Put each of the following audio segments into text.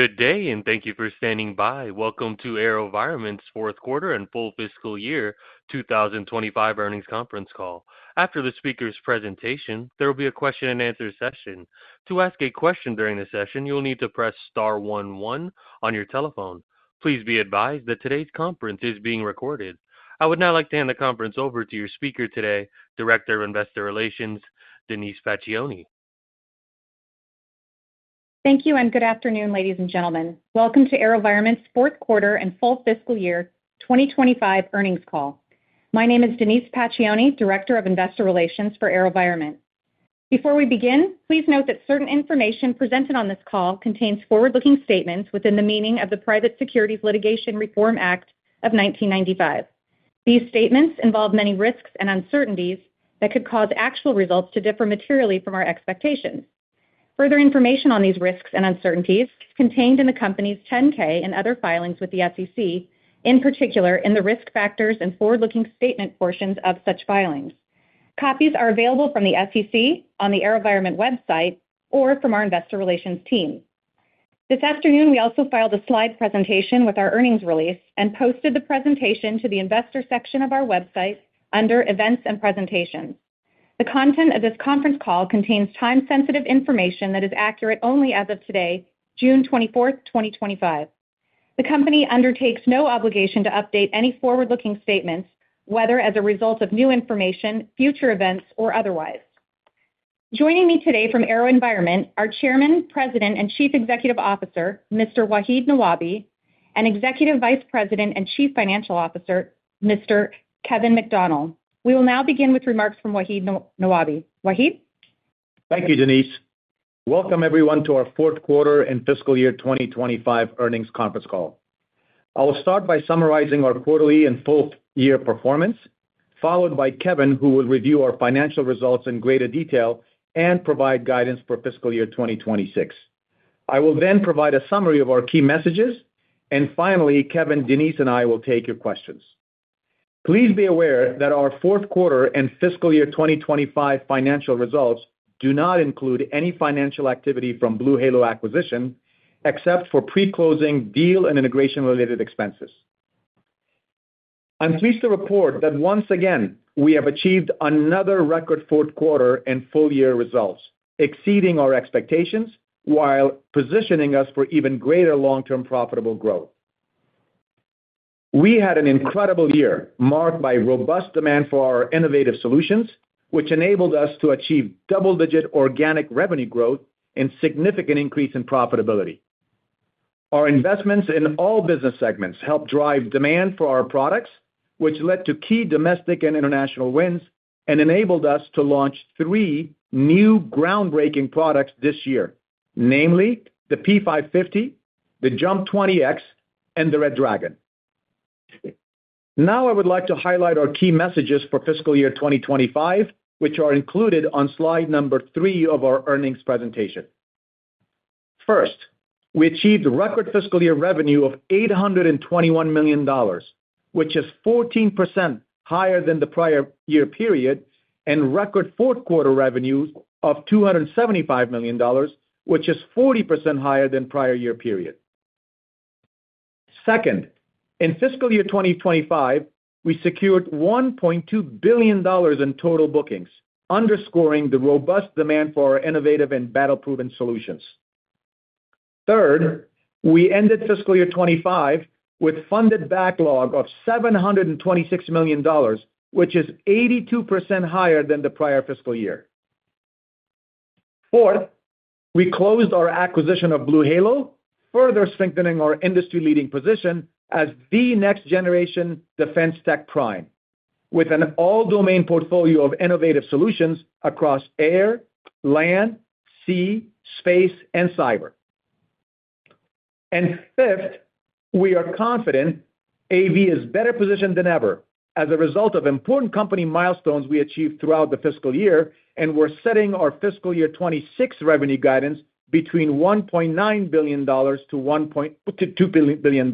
Good day, and thank you for standing by. Welcome to AeroVironment's Fourth Quarter and Full Fiscal year 2025 earnings conference call. After the speaker's presentation, there will be a question-and-answer session. To ask a question during the session, you'll need to press star one one on your telephone. Please be advised that today's conference is being recorded. I would now like to hand the conference over to your speaker today, Director of Investor Relations, Denise Pacioni. Thank you, and good afternoon, ladies and gentlemen. Welcome to AeroVironment's Fourth Quarter and full fiscal year 2025 earnings call. My name is Denise Pacioni, Director of Investor Relations for AeroVironment. Before we begin, please note that certain information presented on this call contains forward-looking statements within the meaning of the Private Securities Litigation Reform Act of 1995. These statements involve many risks and uncertainties that could cause actual results to differ materially from our expectations. Further information on these risks and uncertainties is contained in the company's 10-K and other filings with the SEC, in particular in the risk factors and forward-looking statement portions of such filings. Copies are available from the SEC on the AeroVironment website or from our Investor Relations team. This afternoon, we also filed a slide presentation with our earnings release and posted the presentation to the Investor section of our website under Events and Presentations. The content of this conference call contains time-sensitive information that is accurate only as of today, June 24th, 2025. The company undertakes no obligation to update any forward-looking statements, whether as a result of new information, future events, or otherwise. Joining me today from AeroVironment are Chairman, President, and Chief Executive Officer, Mr. Wahid Nawabi, and Executive Vice President and Chief Financial Officer, Mr. Kevin McDonnell. We will now begin with remarks from Wahid Nawabi. Wahid? Thank you, Denise. Welcome, everyone, to our fourth quarter and fiscal year 2025 earnings conference call. I will start by summarizing our quarterly and full-year performance, followed by Kevin, who will review our financial results in greater detail and provide guidance for fiscal year 2026. I will then provide a summary of our key messages, and finally, Kevin, Denise, and I will take your questions. Please be aware that our fourth quarter and fiscal year 2025 financial results do not include any financial activity from BlueHalo Acquisition, except for pre-closing deal and integration-related expenses. I'm pleased to report that once again, we have achieved another record fourth quarter and full-year results, exceeding our expectations while positioning us for even greater long-term profitable growth. We had an incredible year marked by robust demand for our innovative solutions, which enabled us to achieve double-digit organic revenue growth and a significant increase in profitability. Our investments in all business segments helped drive demand for our products, which led to key domestic and international wins and enabled us to launch three new groundbreaking products this year, namely the P550, the Jump 20-X, and the Red Dragon. Now, I would like to highlight our key messages for fiscal year 2025, which are included on slide number three of our earnings presentation. First, we achieved record fiscal year revenue of $821 million, which is 14% higher than the prior year period, and record fourth quarter revenues of $275 million, which is 40% higher than prior year period. Second, in fiscal year 2025, we secured $1.2 billion in total bookings, underscoring the robust demand for our innovative and battle-proven solutions. Third, we ended fiscal year 2025 with funded backlog of $726 million, which is 82% higher than the prior fiscal year. Fourth, we closed our acquisition of BlueHalo, further strengthening our industry-leading position as the next-generation defense tech prime, with an all-domain portfolio of innovative solutions across air, land, sea, space, and cyber. Fifth, we are confident AV is better positioned than ever as a result of important company milestones we achieved throughout the fiscal year, and we are setting our fiscal year 2026 revenue guidance between $1.9 billion-$2 billion.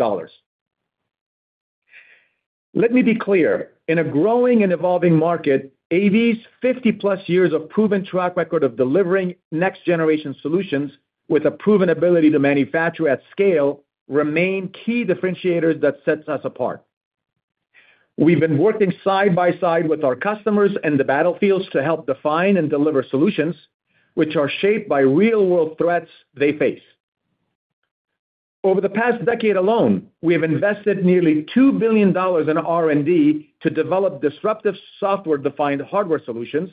Let me be clear. In a growing and evolving market, AV's 50-plus years of proven track record of delivering next-generation solutions with a proven ability to manufacture at scale remain key differentiators that set us apart. We've been working side by side with our customers and the battlefields to help define and deliver solutions which are shaped by real-world threats they face. Over the past decade alone, we have invested nearly $2 billion in R&D to develop disruptive software-defined hardware solutions,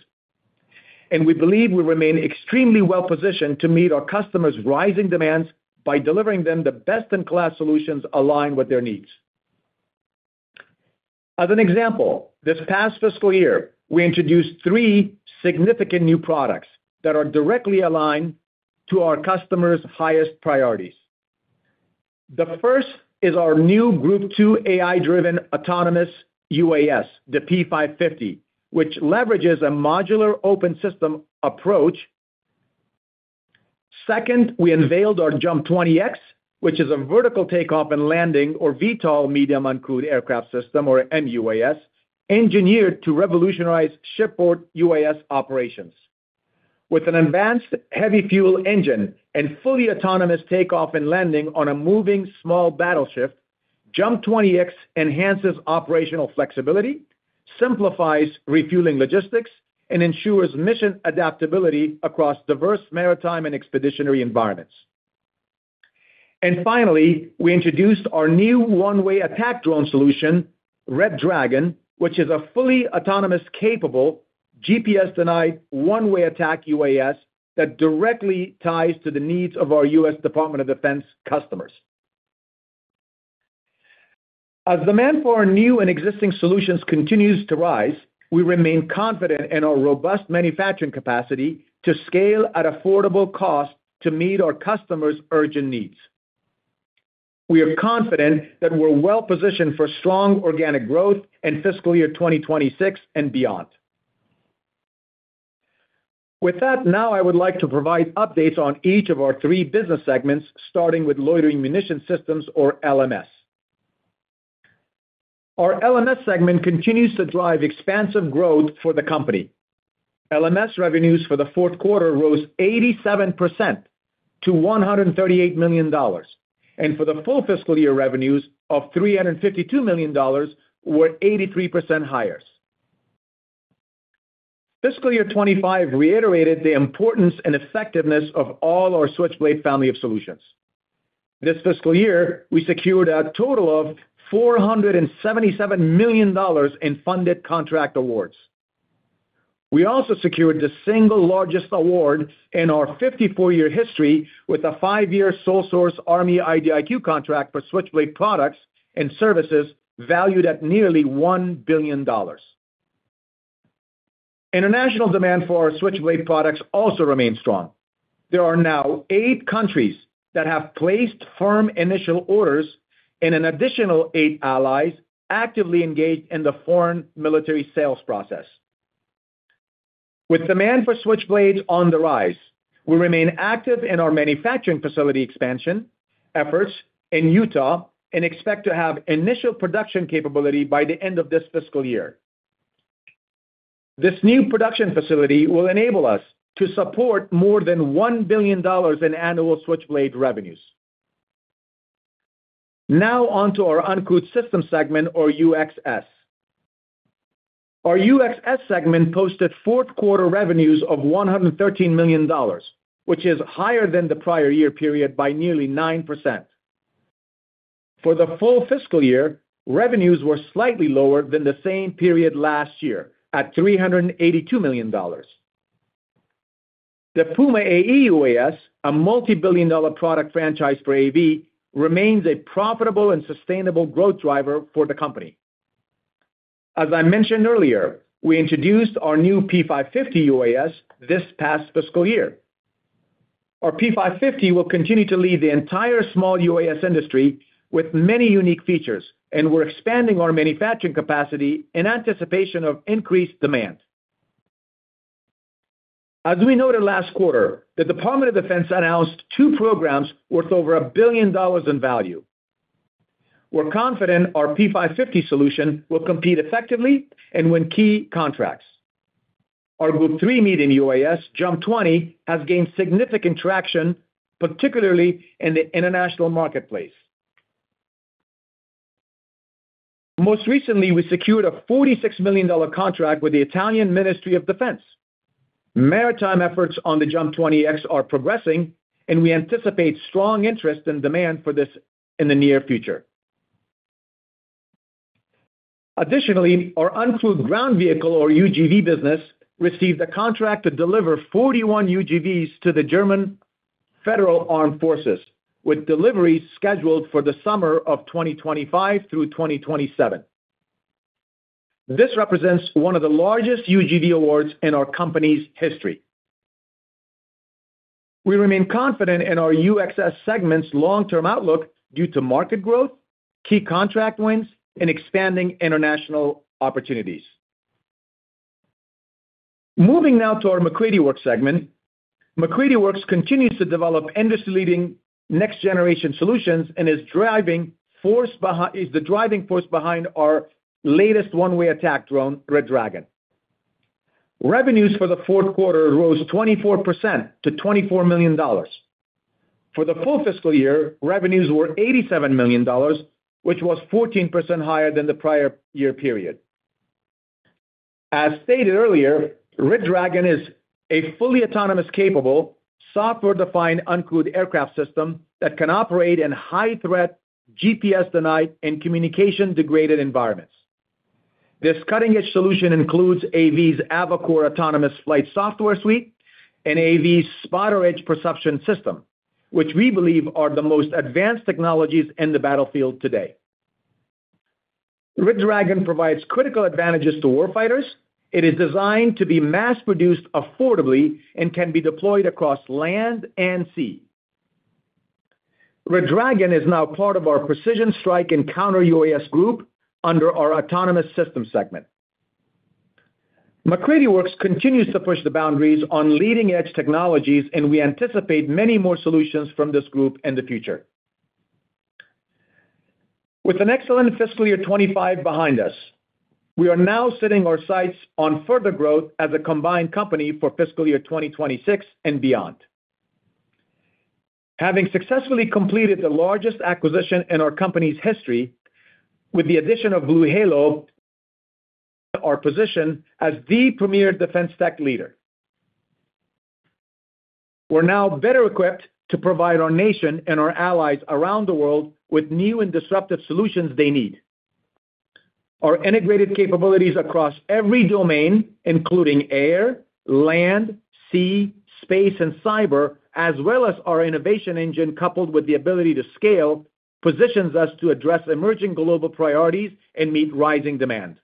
and we believe we remain extremely well-positioned to meet our customers' rising demands by delivering them the best-in-class solutions aligned with their needs. As an example, this past fiscal year, we introduced three significant new products that are directly aligned to our customers' highest priorities. The first is our new Group 2 AI-driven autonomous UAS, the P550, which leverages a modular open system approach. Second, we unveiled our Jump 20-X, which is a vertical takeoff and landing, or VTOL, Medium Uncrewed Aircraft System, or MUAS, engineered to revolutionize shipboard UAS operations. With an advanced heavy-fuel engine and fully autonomous takeoff and landing on a moving small battleship, Jump 20-X enhances operational flexibility, simplifies refueling logistics, and ensures mission adaptability across diverse maritime and expeditionary environments. Finally, we introduced our new one-way attack drone solution, Red Dragon, which is a fully autonomous capable GPS-denied one-way attack UAS that directly ties to the needs of our U.S. Department of Defense customers. As demand for our new and existing solutions continues to rise, we remain confident in our robust manufacturing capacity to scale at affordable cost to meet our customers' urgent needs. We are confident that we're well-positioned for strong organic growth in fiscal year 2026 and beyond. With that, now I would like to provide updates on each of our three business segments, starting with Loitering Munition Systems, or LMS. Our LMS segment continues to drive expansive growth for the company. LMS revenues for the fourth quarter rose 87% to $138 million, and for the full fiscal year revenues of $352 million were 83% higher. Fiscal year 2025 reiterated the importance and effectiveness of all our Switchblade family of solutions. This fiscal year, we secured a total of $477 million in funded contract awards. We also secured the single largest award in our 54-year history with a five-year Sole Source Army IDIQ contract for Switchblade products and services valued at nearly $1 billion. International demand for our Switchblade products also remains strong. There are now eight countries that have placed firm initial orders, and an additional eight allies actively engaged in the foreign military sales process. With demand for Switchblades on the rise, we remain active in our manufacturing facility expansion efforts in Utah and expect to have initial production capability by the end of this fiscal year. This new production facility will enable us to support more than $1 billion in annual Switchblade revenues. Now onto our uncrewed systems segment, or UXS. Our UXS segment posted fourth quarter revenues of $113 million, which is higher than the prior year period by nearly 9%. For the full fiscal year, revenues were slightly lower than the same period last year at $382 million. The Puma AE UAS, a multi-billion dollar product franchise for AV, remains a profitable and sustainable growth driver for the company. As I mentioned earlier, we introduced our new P550 UAS this past fiscal year. Our P550 will continue to lead the entire small UAS industry with many unique features, and we're expanding our manufacturing capacity in anticipation of increased demand. As we noted last quarter, the Department of Defense announced two programs worth over $1 billion in value. We're confident our P550 solution will compete effectively and win key contracts. Our Group 3 medium UAS, Jump 20, has gained significant traction, particularly in the international marketplace. Most recently, we secured a $46 million contract with the Italian Ministry of Defense. Maritime efforts on the Jump 20-X are progressing, and we anticipate strong interest and demand for this in the near future. Additionally, our uncrewed ground vehicle, or UGV business, received a contract to deliver 41 UGVs to the German Federal Armed Forces, with deliveries scheduled for the summer of 2025 through 2027. This represents one of the largest UGV awards in our company's history. We remain confident in our UXS segment's long-term outlook due to market growth, key contract wins, and expanding international opportunities. Moving now to our MacCready Works segment, MacCready Works continues to develop industry-leading next-generation solutions and is the driving force behind our latest one-way attack drone, Red Dragon. Revenues for the fourth quarter rose 24% to $24 million. For the full fiscal year, revenues were $87 million, which was 14% higher than the prior year period. As stated earlier, Red Dragon is a fully autonomous capable software-defined uncrewed aircraft system that can operate in high-threat, GPS-denied, and communication-degraded environments. This cutting-edge solution includes AV's Avacor Autonomous Flight Software Suite and AV's SpotterEdge Perception System, which we believe are the most advanced technologies in the battlefield today. Red Dragon provides critical advantages to warfighters. It is designed to be mass-produced affordably and can be deployed across land and sea. Red Dragon is now part of our Precision Strike and Counter UAS Group under our Autonomous Systems segment. MacCready Works continues to push the boundaries on leading-edge technologies, and we anticipate many more solutions from this group in the future. With an excellent fiscal year 2025 behind us, we are now setting our sights on further growth as a combined company for fiscal year 2026 and beyond. Having successfully completed the largest acquisition in our company's history, with the addition of BlueHalo, our position as the premier defense tech leader. We're now better equipped to provide our nation and our allies around the world with new and disruptive solutions they need. Our integrated capabilities across every domain, including air, land, sea, space, and cyber, as well as our innovation engine coupled with the ability to scale, positions us to address emerging global priorities and meet rising demand.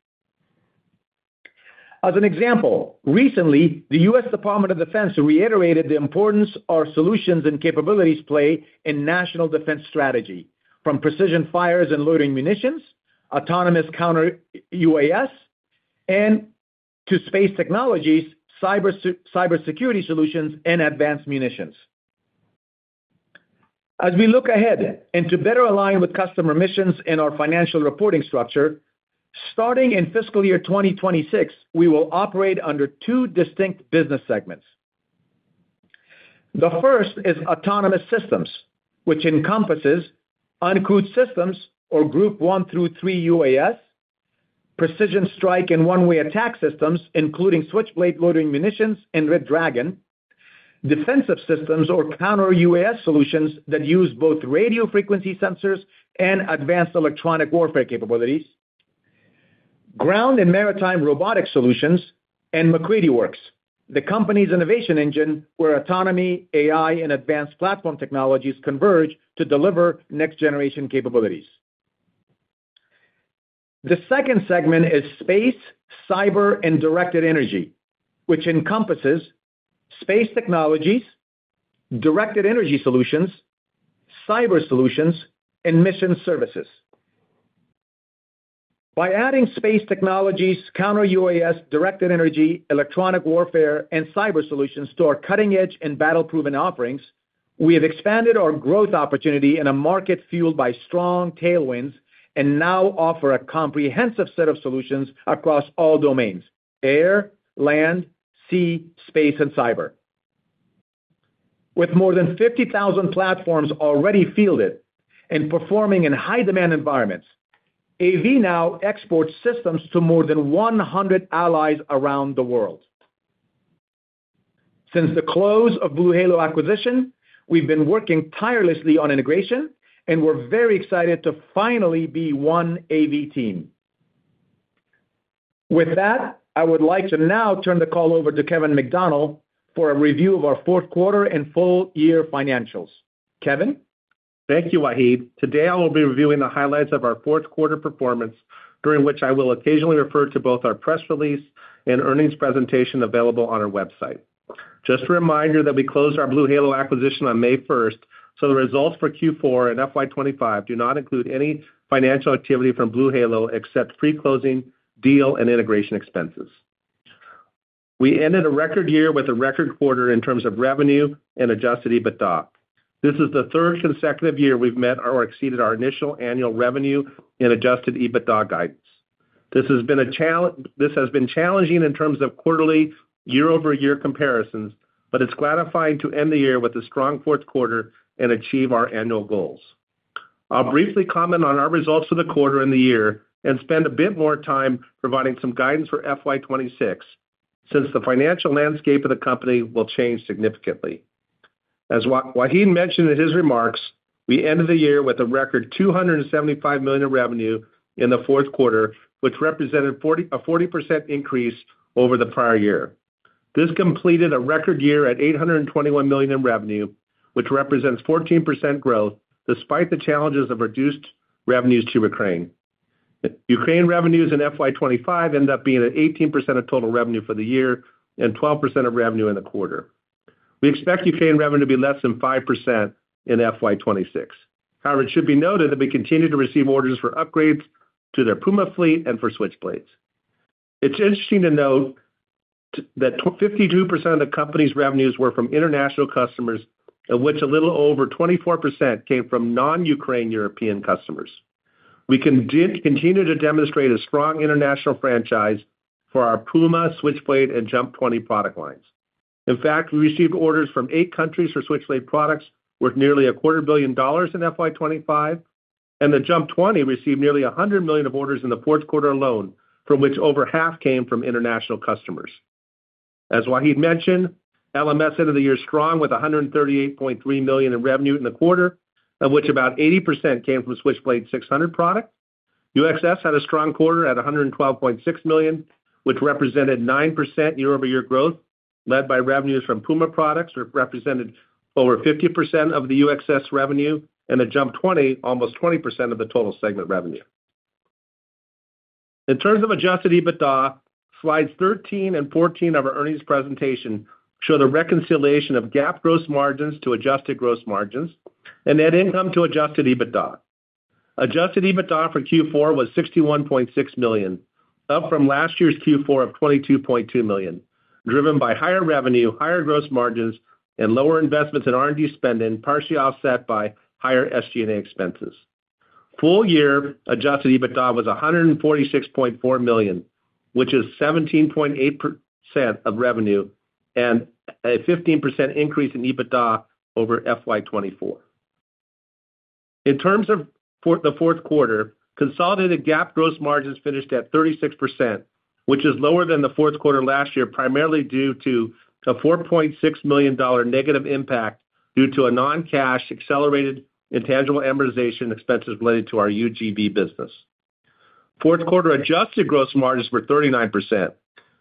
As an example, recently, the U.S. Department of Defense reiterated the importance our solutions and capabilities play in national defense strategy, from precision fires and loitering munitions, autonomous counter UAS, and to space technologies, cybersecurity solutions, and advanced munitions. As we look ahead and to better align with customer missions in our financial reporting structure, starting in fiscal year 2026, we will operate under two distinct business segments. The first is autonomous systems, which encompasses uncrewed systems, or Group 1 through 3 UAS, precision strike and one-way attack systems, including Switchblade loitering munitions and Red Dragon, defensive systems, or counter UAS solutions that use both radio frequency sensors and advanced electronic warfare capabilities, ground and maritime robotic solutions, and MacCready Works, the company's innovation engine where autonomy, AI, and advanced platform technologies converge to deliver next-generation capabilities. The second segment is space, cyber, and directed energy, which encompasses space technologies, directed energy solutions, cyber solutions, and mission services. By adding space technologies, counter UAS, directed energy, electronic warfare, and cyber solutions to our cutting-edge and battle-proven offerings, we have expanded our growth opportunity in a market fueled by strong tailwinds and now offer a comprehensive set of solutions across all domains: air, land, sea, space, and cyber. With more than 50,000 platforms already fielded and performing in high-demand environments, AV now exports systems to more than 100 allies around the world. Since the close of BlueHalo acquisition, we've been working tirelessly on integration, and we're very excited to finally be one AV team. With that, I would like to now turn the call over to Kevin McDonnell for a review of our fourth quarter and full-year financials. Kevin. Thank you, Wahid. Today, I will be reviewing the highlights of our fourth quarter performance, during which I will occasionally refer to both our press release and earnings presentation available on our website. Just a reminder that we closed our BlueHalo acquisition on May 1st, so the results for Q4 and FY2025 do not include any financial activity from BlueHalo except pre-closing deal and integration expenses. We ended a record year with a record quarter in terms of revenue and adjusted EBITDA. This is the third consecutive year we've met or exceeded our initial annual revenue and adjusted EBITDA guidance. This has been challenging in terms of quarterly year-over-year comparisons, but it's gratifying to end the year with a strong fourth quarter and achieve our annual goals. I'll briefly comment on our results for the quarter and the year and spend a bit more time providing some guidance for FY26 since the financial landscape of the company will change significantly. As Wahid mentioned in his remarks, we ended the year with a record $275 million in revenue in the fourth quarter, which represented a 40% increase over the prior year. This completed a record year at $821 million in revenue, which represents 14% growth despite the challenges of reduced revenues to Ukraine. Ukraine revenues in FY25 ended up being at 18% of total revenue for the year and 12% of revenue in the quarter. We expect Ukraine revenue to be less than 5% in FY26. However, it should be noted that we continue to receive orders for upgrades to their Puma fleet and for Switchblades. It's interesting to note that 52% of the company's revenues were from international customers, of which a little over 24% came from non-Ukraine European customers. We continue to demonstrate a strong international franchise for our Puma, Switchblade, and Jump 20 product lines. In fact, we received orders from eight countries for Switchblade products worth nearly a quarter billion dollars in FY25, and the Jump 20 received nearly $100 million in orders in the fourth quarter alone, from which over half came from international customers. As Wahid mentioned, LMS ended the year strong with $138.3 million in revenue in the quarter, of which about 80% came from Switchblade 600 products. UXS had a strong quarter at $112.6 million, which represented 9% year-over-year growth, led by revenues from Puma products, which represented over 50% of the UXS revenue, and the Jump 20 almost 20% of the total segment revenue. In terms of adjusted EBITDA, slides 13 and 14 of our earnings presentation show the reconciliation of GAAP gross margins to adjusted gross margins and net income to adjusted EBITDA. Adjusted EBITDA for Q4 was $61.6 million, up from last year's Q4 of $22.2 million, driven by higher revenue, higher gross margins, and lower investments in R&D spending, partially offset by higher SG&A expenses. Full-year adjusted EBITDA was $146.4 million, which is 17.8% of revenue and a 15% increase in EBITDA over FY2024. In terms of the fourth quarter, consolidated GAAP gross margins finished at 36%, which is lower than the fourth quarter last year, primarily due to a $4.6 million negative impact due to a non-cash accelerated intangible amortization expenses related to our UGV business. Fourth quarter adjusted gross margins were 39%,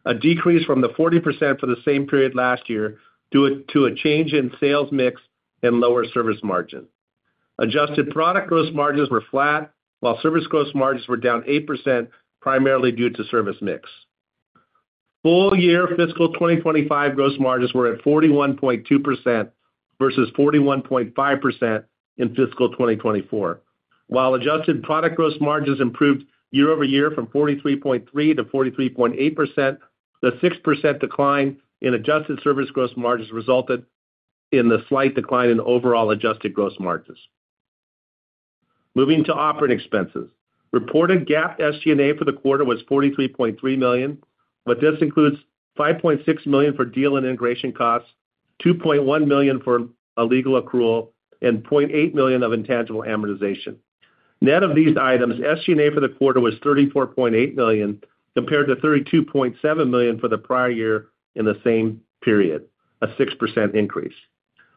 a decrease from the 40% for the same period last year due to a change in sales mix and lower service margin. Adjusted product gross margins were flat, while service gross margins were down 8%, primarily due to service mix. Full-year fiscal 2025 gross margins were at 41.2% versus 41.5% in fiscal 2024. While adjusted product gross margins improved year-over-year from 43.3% to 43.8%, the 6% decline in adjusted service gross margins resulted in the slight decline in overall adjusted gross margins. Moving to operating expenses, reported GAAP SG&A for the quarter was $43.3 million, but this includes $5.6 million for deal and integration costs, $2.1 million for a legal accrual, and $0.8 million of intangible amortization. Net of these items, SG&A for the quarter was $34.8 million compared to $32.7 million for the prior year in the same period, a 6% increase.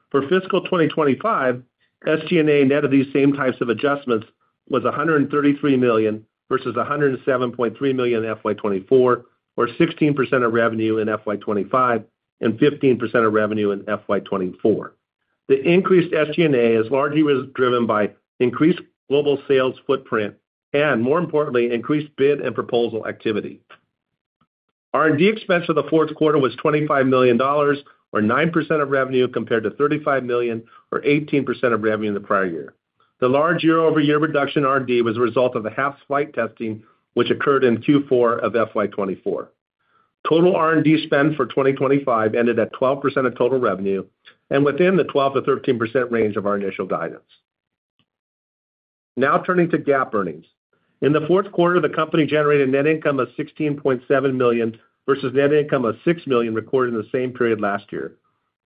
For fiscal 2025, SG&A net of these same types of adjustments was $133 million versus $107.3 million in FY2024, or 16% of revenue in FY2025 and 15% of revenue in FY2024. The increased SG&A is largely driven by increased global sales footprint and, more importantly, increased bid and proposal activity. R&D expense for the fourth quarter was $25 million, or 9% of revenue, compared to $35 million, or 18% of revenue in the prior year. The large year-over-year reduction in R&D was a result of the half-flight testing, which occurred in Q4 of FY2024. Total R&D spend for 2025 ended at 12% of total revenue and within the 12-13% range of our initial guidance. Now turning to GAAP earnings. In the fourth quarter, the company generated net income of $16.7 million versus net income of $6 million recorded in the same period last year.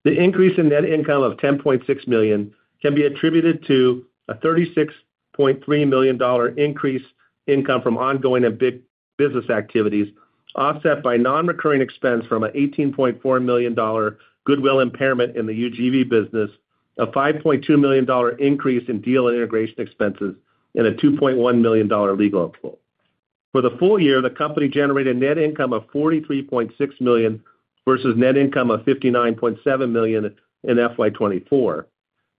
The increase in net income of $10.6 million can be attributed to a $36.3 million increase in income from ongoing and big business activities, offset by non-recurring expense from a $18.4 million goodwill impairment in the UGV business, a $5.2 million increase in deal and integration expenses, and a $2.1 million legal accrual. For the full year, the company generated net income of $43.6 million versus net income of $59.7 million in FY2024.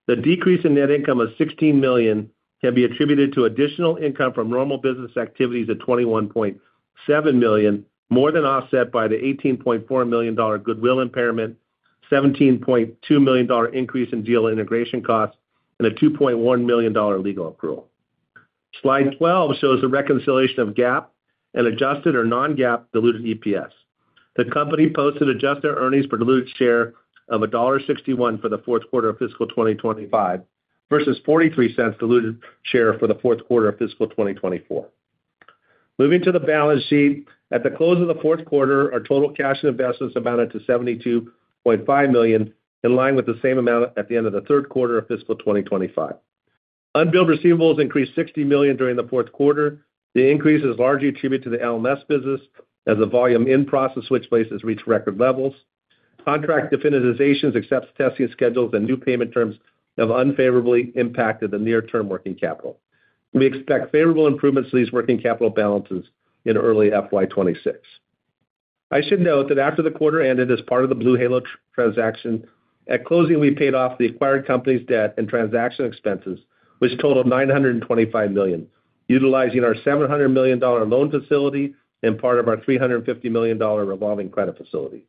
The decrease in net income of $16 million can be attributed to additional income from normal business activities at $21.7 million, more than offset by the $18.4 million goodwill impairment, $17.2 million increase in deal integration costs, and a $2.1 million legal accrual. Slide 12 shows the reconciliation of GAAP and adjusted or non-GAAP diluted EPS. The company posted adjusted earnings per diluted share of $1.61 for the fourth quarter of fiscal 2025 versus $0.43 per diluted share for the fourth quarter of fiscal 2024. Moving to the balance sheet, at the close of the fourth quarter, our total cash and investments amounted to $72.5 million, in line with the same amount at the end of the third quarter of fiscal 2025. Unbilled receivables increased $60 million during the fourth quarter. The increase is largely attributed to the LMS business, as the volume in-process Switchblades has reached record levels. Contract definitizations, except testing schedules and new payment terms, have unfavorably impacted the near-term working capital. We expect favorable improvements to these working capital balances in early fiscal 2026. I should note that after the quarter ended as part of the BlueHalo transaction, at closing, we paid off the acquired company's debt and transaction expenses, which totaled $925 million, utilizing our $700 million loan facility and part of our $350 million revolving credit facility.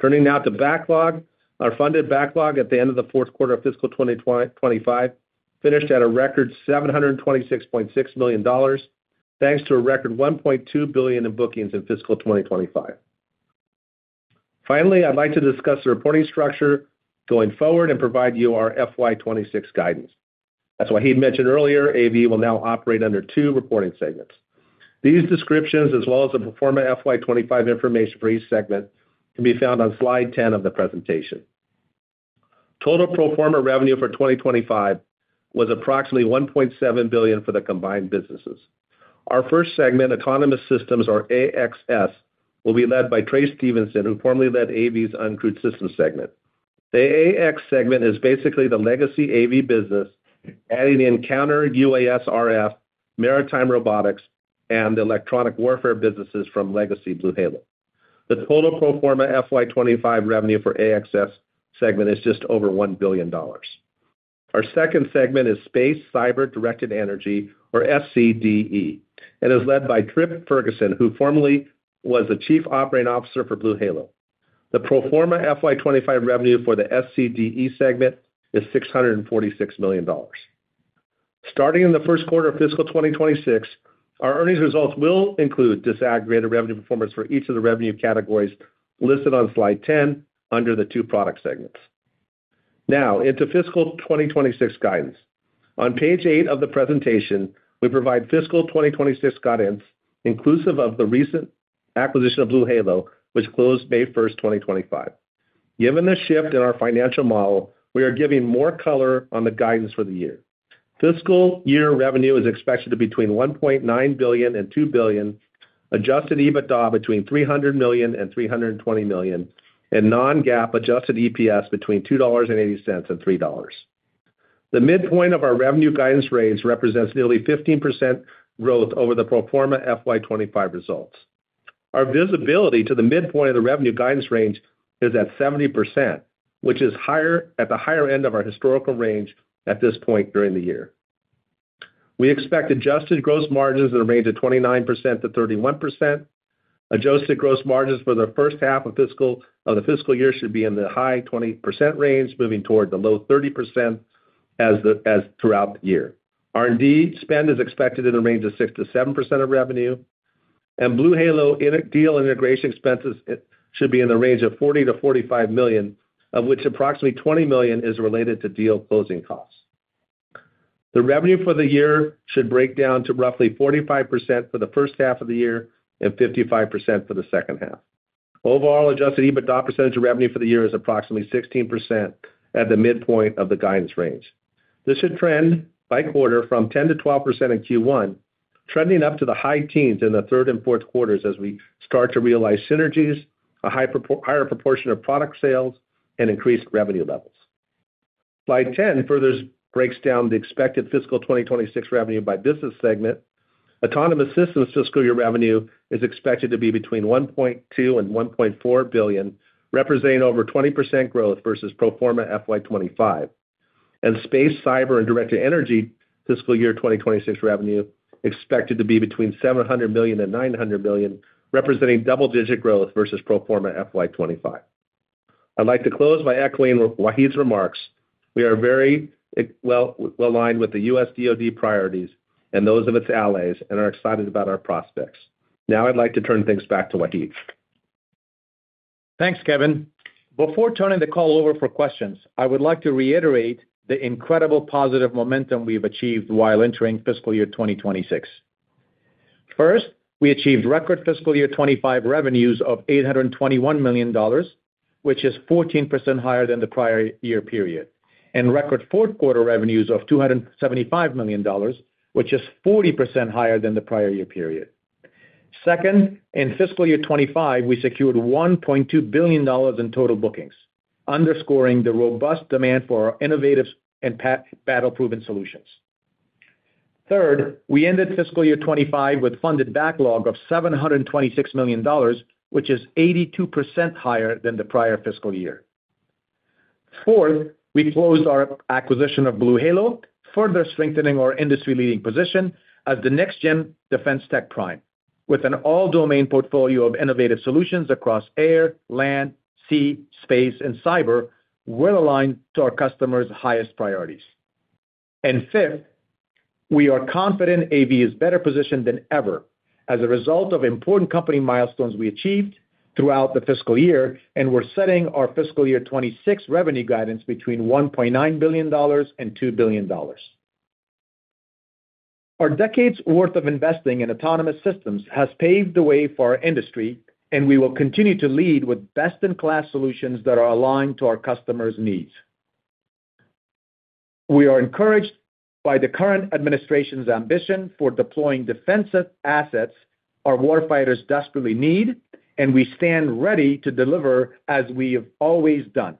Turning now to backlog, our funded backlog at the end of the fourth quarter of fiscal 2025 finished at a record $726.6 million, thanks to a record $1.2 billion in bookings in fiscal 2025. Finally, I'd like to discuss the reporting structure going forward and provide you our FY26 guidance. As Wahid mentioned earlier, AV will now operate under two reporting segments. These descriptions, as well as the pro forma FY25 information for each segment, can be found on slide 10 of the presentation. Total pro forma revenue for 2025 was approximately $1.7 billion for the combined businesses. Our first segment, autonomous systems, or AXS, will be led by Trace Stevenson, who formerly led AV's uncrewed systems segment. The AXS segment is basically the legacy AV business, adding in counter UAS RF, maritime robotics, and electronic warfare businesses from legacy BlueHalo. The total pro forma FY2025 revenue for AXS segment is just over $1 billion. Our second segment is space, cyber, directed energy, or SCDE, and is led by Trip Ferguson, who formerly was the Chief Operating Officer for BlueHalo. The pro forma FY2025 revenue for the SCDE segment is $646 million. Starting in the first quarter of fiscal 2026, our earnings results will include disaggregated revenue performance for each of the revenue categories listed on slide 10 under the two product segments. Now, into fiscal 2026 guidance. On page 8 of the presentation, we provide fiscal 2026 guidance, inclusive of the recent acquisition of BlueHalo, which closed May 1, 2025. Given the shift in our financial model, we are giving more color on the guidance for the year. Fiscal year revenue is expected to be between $1.9 billion and $2 billion, adjusted EBITDA between $300 million and $320 million, and non-GAAP adjusted EPS between $2.80 and $3. The midpoint of our revenue guidance range represents nearly 15% growth over the pro forma FY25 results. Our visibility to the midpoint of the revenue guidance range is at 70%, which is at the higher end of our historical range at this point during the year. We expect adjusted gross margins in the range of 29%-31%. Adjusted gross margins for the first half of the fiscal year should be in the high 20% range, moving toward the low 30% as throughout the year. R&D spend is expected in the range of 6%-7% of revenue, and BlueHalo deal integration expenses should be in the range of $40 million-$45 million, of which approximately $20 million is related to deal closing costs. The revenue for the year should break down to roughly 45% for the first half of the year and 55% for the second half. Overall, adjusted EBITDA percentage of revenue for the year is approximately 16% at the midpoint of the guidance range. This should trend by quarter from 10%-12% in Q1, trending up to the high teens in the third and fourth quarters as we start to realize synergies, a higher proportion of product sales, and increased revenue levels. Slide 10 further breaks down the expected fiscal 2026 revenue by business segment. Autonomous systems fiscal year revenue is expected to be between $1.2 billion and $1.4 billion, representing over 20% growth versus pro forma FY25. Space, cyber, and directed energy fiscal year 2026 revenue expected to be between $700 million and $900 million, representing double-digit growth versus pro forma FY25. I'd like to close by echoing Wahid's remarks. We are very well aligned with the U.S. DoD priorities and those of its allies and are excited about our prospects. Now, I'd like to turn things back to Wahid. Thanks, Kevin. Before turning the call over for questions, I would like to reiterate the incredible positive momentum we've achieved while entering fiscal year 2026. First, we achieved record fiscal year 2025 revenues of $821 million, which is 14% higher than the prior year period, and record fourth quarter revenues of $275 million, which is 40% higher than the prior year period. Second, in fiscal year 2025, we secured $1.2 billion in total bookings, underscoring the robust demand for our innovative and battle-proven solutions. Third, we ended fiscal year 2025 with funded backlog of $726 million, which is 82% higher than the prior fiscal year. Fourth, we closed our acquisition of BlueHalo, further strengthening our industry-leading position as the next-gen defense tech prime, with an all-domain portfolio of innovative solutions across air, land, sea, space, and cyber, well aligned to our customers' highest priorities. Fifth, we are confident AV is better positioned than ever as a result of important company milestones we achieved throughout the fiscal year, and we are setting our fiscal year 2026 revenue guidance between $1.9 billion and $2 billion. Our decades' worth of investing in autonomous systems has paved the way for our industry, and we will continue to lead with best-in-class solutions that are aligned to our customers' needs. We are encouraged by the current administration's ambition for deploying defensive assets our warfighters desperately need, and we stand ready to deliver as we have always done.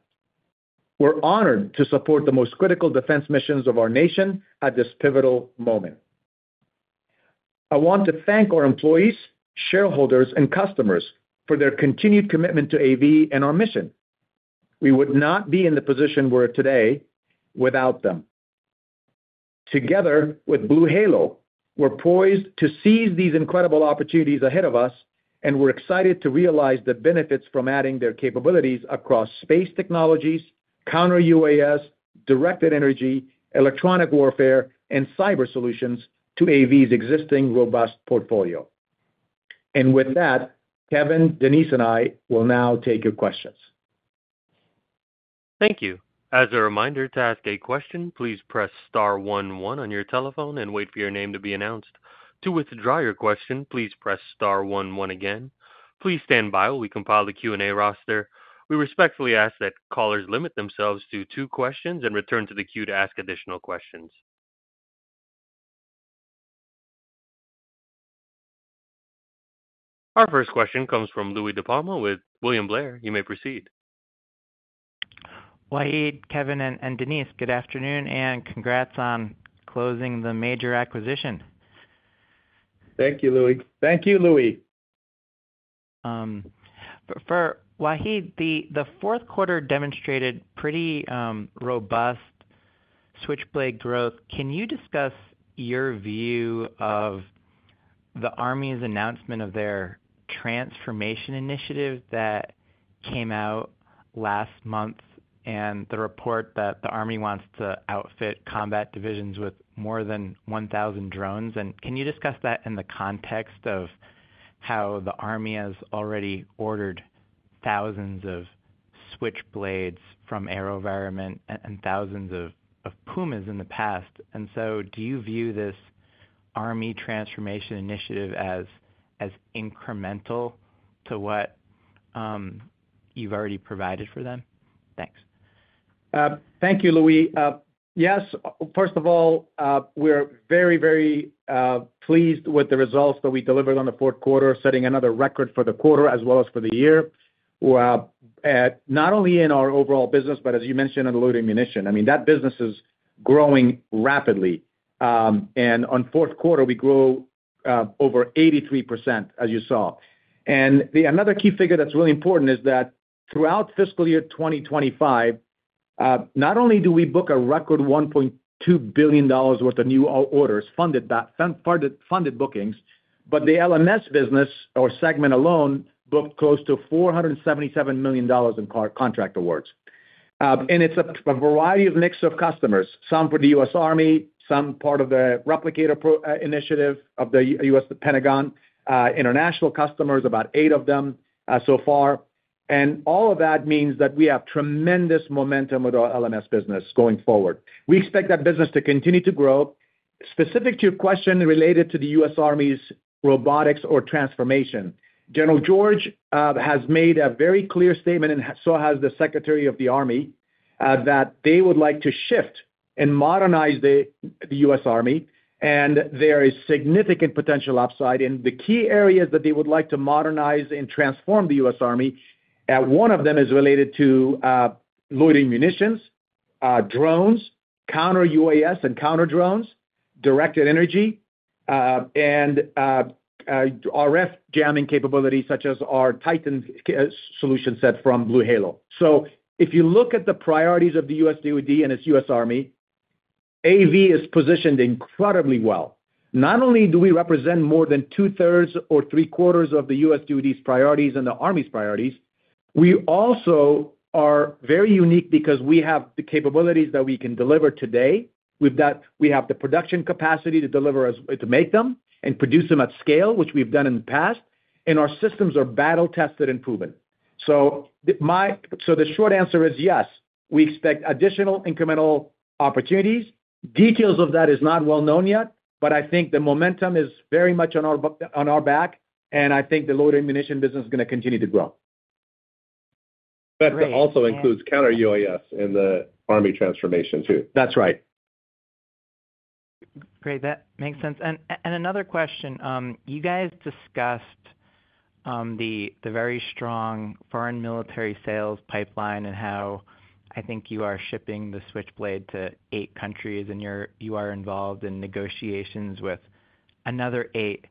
We are honored to support the most critical defense missions of our nation at this pivotal moment. I want to thank our employees, shareholders, and customers for their continued commitment to AV and our mission. We would not be in the position we are in today without them. Together with BlueHalo, we are poised to seize these incredible opportunities ahead of us, and we are excited to realize the benefits from adding their capabilities across space technologies, counter UAS, directed energy, electronic warfare, and cyber solutions to AV's existing robust portfolio. With that, Kevin, Denise, and I will now take your questions. Thank you. As a reminder, to ask a question, please press star one one on your telephone and wait for your name to be announced. To withdraw your question, please press star one one again. Please stand by while we compile the Q&A roster. We respectfully ask that callers limit themselves to two questions and return to the queue to ask additional questions. Our first question comes from Louie DiPalma with William Blair. You may proceed. Wahid, Kevin, and Denise, good afternoon, and congrats on closing the major acquisition. Thank you, Louie. Thank you, Louie. For Wahid, the fourth quarter demonstrated pretty robust Switchblade growth. Can you discuss your view of the Army's announcement of their transformation initiative that came out last month and the report that the Army wants to outfit combat divisions with more than 1,000 drones? Can you discuss that in the context of how the Army has already ordered thousands of Switchblades from AeroVironment and thousands of Pumas in the past? Do you view this Army transformation initiative as incremental to what you've already provided for them? Thanks. Thank you, Louie. Yes, first of all, we're very, very pleased with the results that we delivered on the fourth quarter, setting another record for the quarter as well as for the year, not only in our overall business, but as you mentioned, in loitering munitions. I mean, that business is growing rapidly. On fourth quarter, we grew over 83%, as you saw. Another key figure that's really important is that throughout fiscal year 2025, not only did we book a record $1.2 billion worth of new orders, funded bookings, but the LMS business, our segment alone, booked close to $477 million in contract awards. It's a variety of mix of customers, some for the U.S. Army, some part of the Replicator Initiative of the U.S. Department of Defense, international customers, about eight of them so far. All of that means that we have tremendous momentum with our LMS business going forward. We expect that business to continue to grow. Specific to your question related to the U.S. Army's robotics or transformation, General George has made a very clear statement, and so has the Secretary of the Army, that they would like to shift and modernize the U.S. Army. There is significant potential upside in the key areas that they would like to modernize and transform the U.S. Army. One of them is related to loitering munitions, drones, counter UAS and counter drones, directed energy, and RF jamming capabilities, such as our TITAN solution set from BlueHalo. If you look at the priorities of the U.S. Department of Defense and its U.S. Army, AV is positioned incredibly well. Not only do we represent more than two-thirds or three-quarters of the U.S. DoD's priorities and the Army's priorities, we also are very unique because we have the capabilities that we can deliver today. We have the production capacity to make them and produce them at scale, which we've done in the past, and our systems are battle-tested and proven. The short answer is yes, we expect additional incremental opportunities. Details of that are not well known yet, but I think the momentum is very much on our back, and I think the loitering munition business is going to continue to grow. That also includes counter UAS in the Army transformation, too. That's right. Great. That makes sense. Another question. You guys discussed the very strong foreign military sales pipeline and how I think you are shipping the Switchblade to eight countries, and you are involved in negotiations with another eight.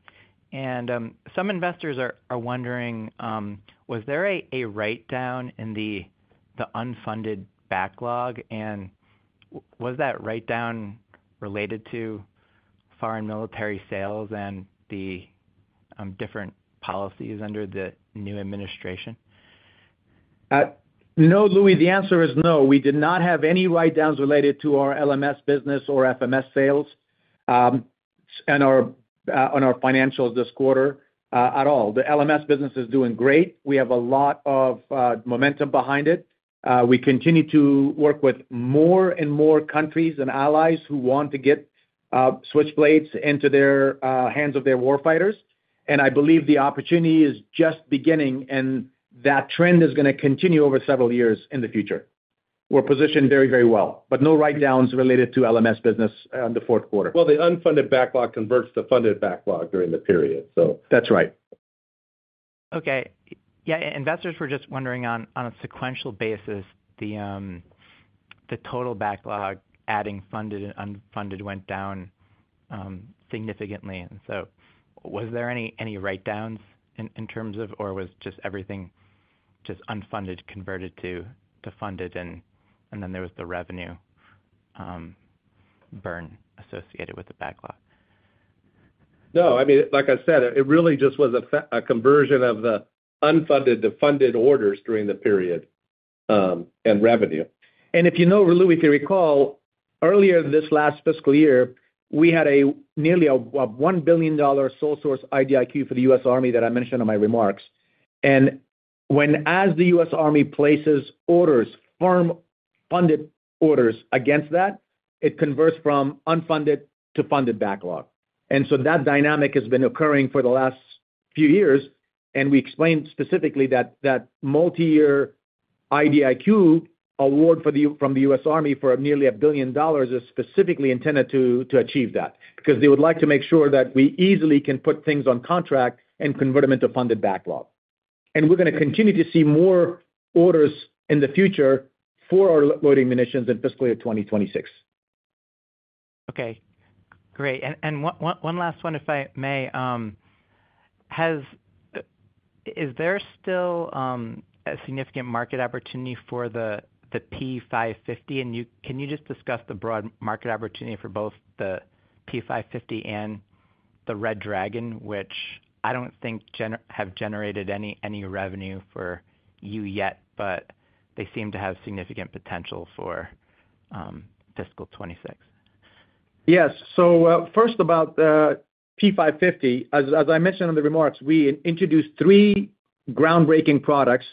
Some investors are wondering, was there a write-down in the unfunded backlog? Was that write-down related to foreign military sales and the different policies under the new administration? No, Louie, the answer is no. We did not have any write-downs related to our LMS business or FMS sales on our financials this quarter at all. The LMS business is doing great. We have a lot of momentum behind it. We continue to work with more and more countries and allies who want to get Switchblades into the hands of their warfighters. I believe the opportunity is just beginning, and that trend is going to continue over several years in the future. We're positioned very, very well, but no write-downs related to LMS business in the fourth quarter. The unfunded backlog converts to funded backlog during the period, so. That's right. Okay. Yeah, investors were just wondering, on a sequential basis, the total backlog, adding funded and unfunded, went down significantly. Was there any write-downs in terms of, or was just everything just unfunded converted to funded, and then there was the revenue burn associated with the backlog? No. I mean, like I said, it really just was a conversion of the unfunded to funded orders during the period and revenue. If you recall, Louie, earlier this last fiscal year, we had nearly a $1 billion sole-source IDIQ for the U.S. Army that I mentioned in my remarks. When the U.S. Army places orders, firm funded orders against that, it converts from unfunded to funded backlog. That dynamic has been occurring for the last few years. We explained specifically that multi-year IDIQ award from the U.S. Army for nearly $1 billion is specifically intended to achieve that because they would like to make sure that we easily can put things on contract and convert them into funded backlog. We are going to continue to see more orders in the future for our loitering munitions in fiscal year 2026. Okay. Great. One last one, if I may. Is there still a significant market opportunity for the P550? Can you just discuss the broad market opportunity for both the P550 and the Red Dragon, which I don't think have generated any revenue for you yet, but they seem to have significant potential for fiscal 2026? Yes. First about P550, as I mentioned in the remarks, we introduced three groundbreaking products,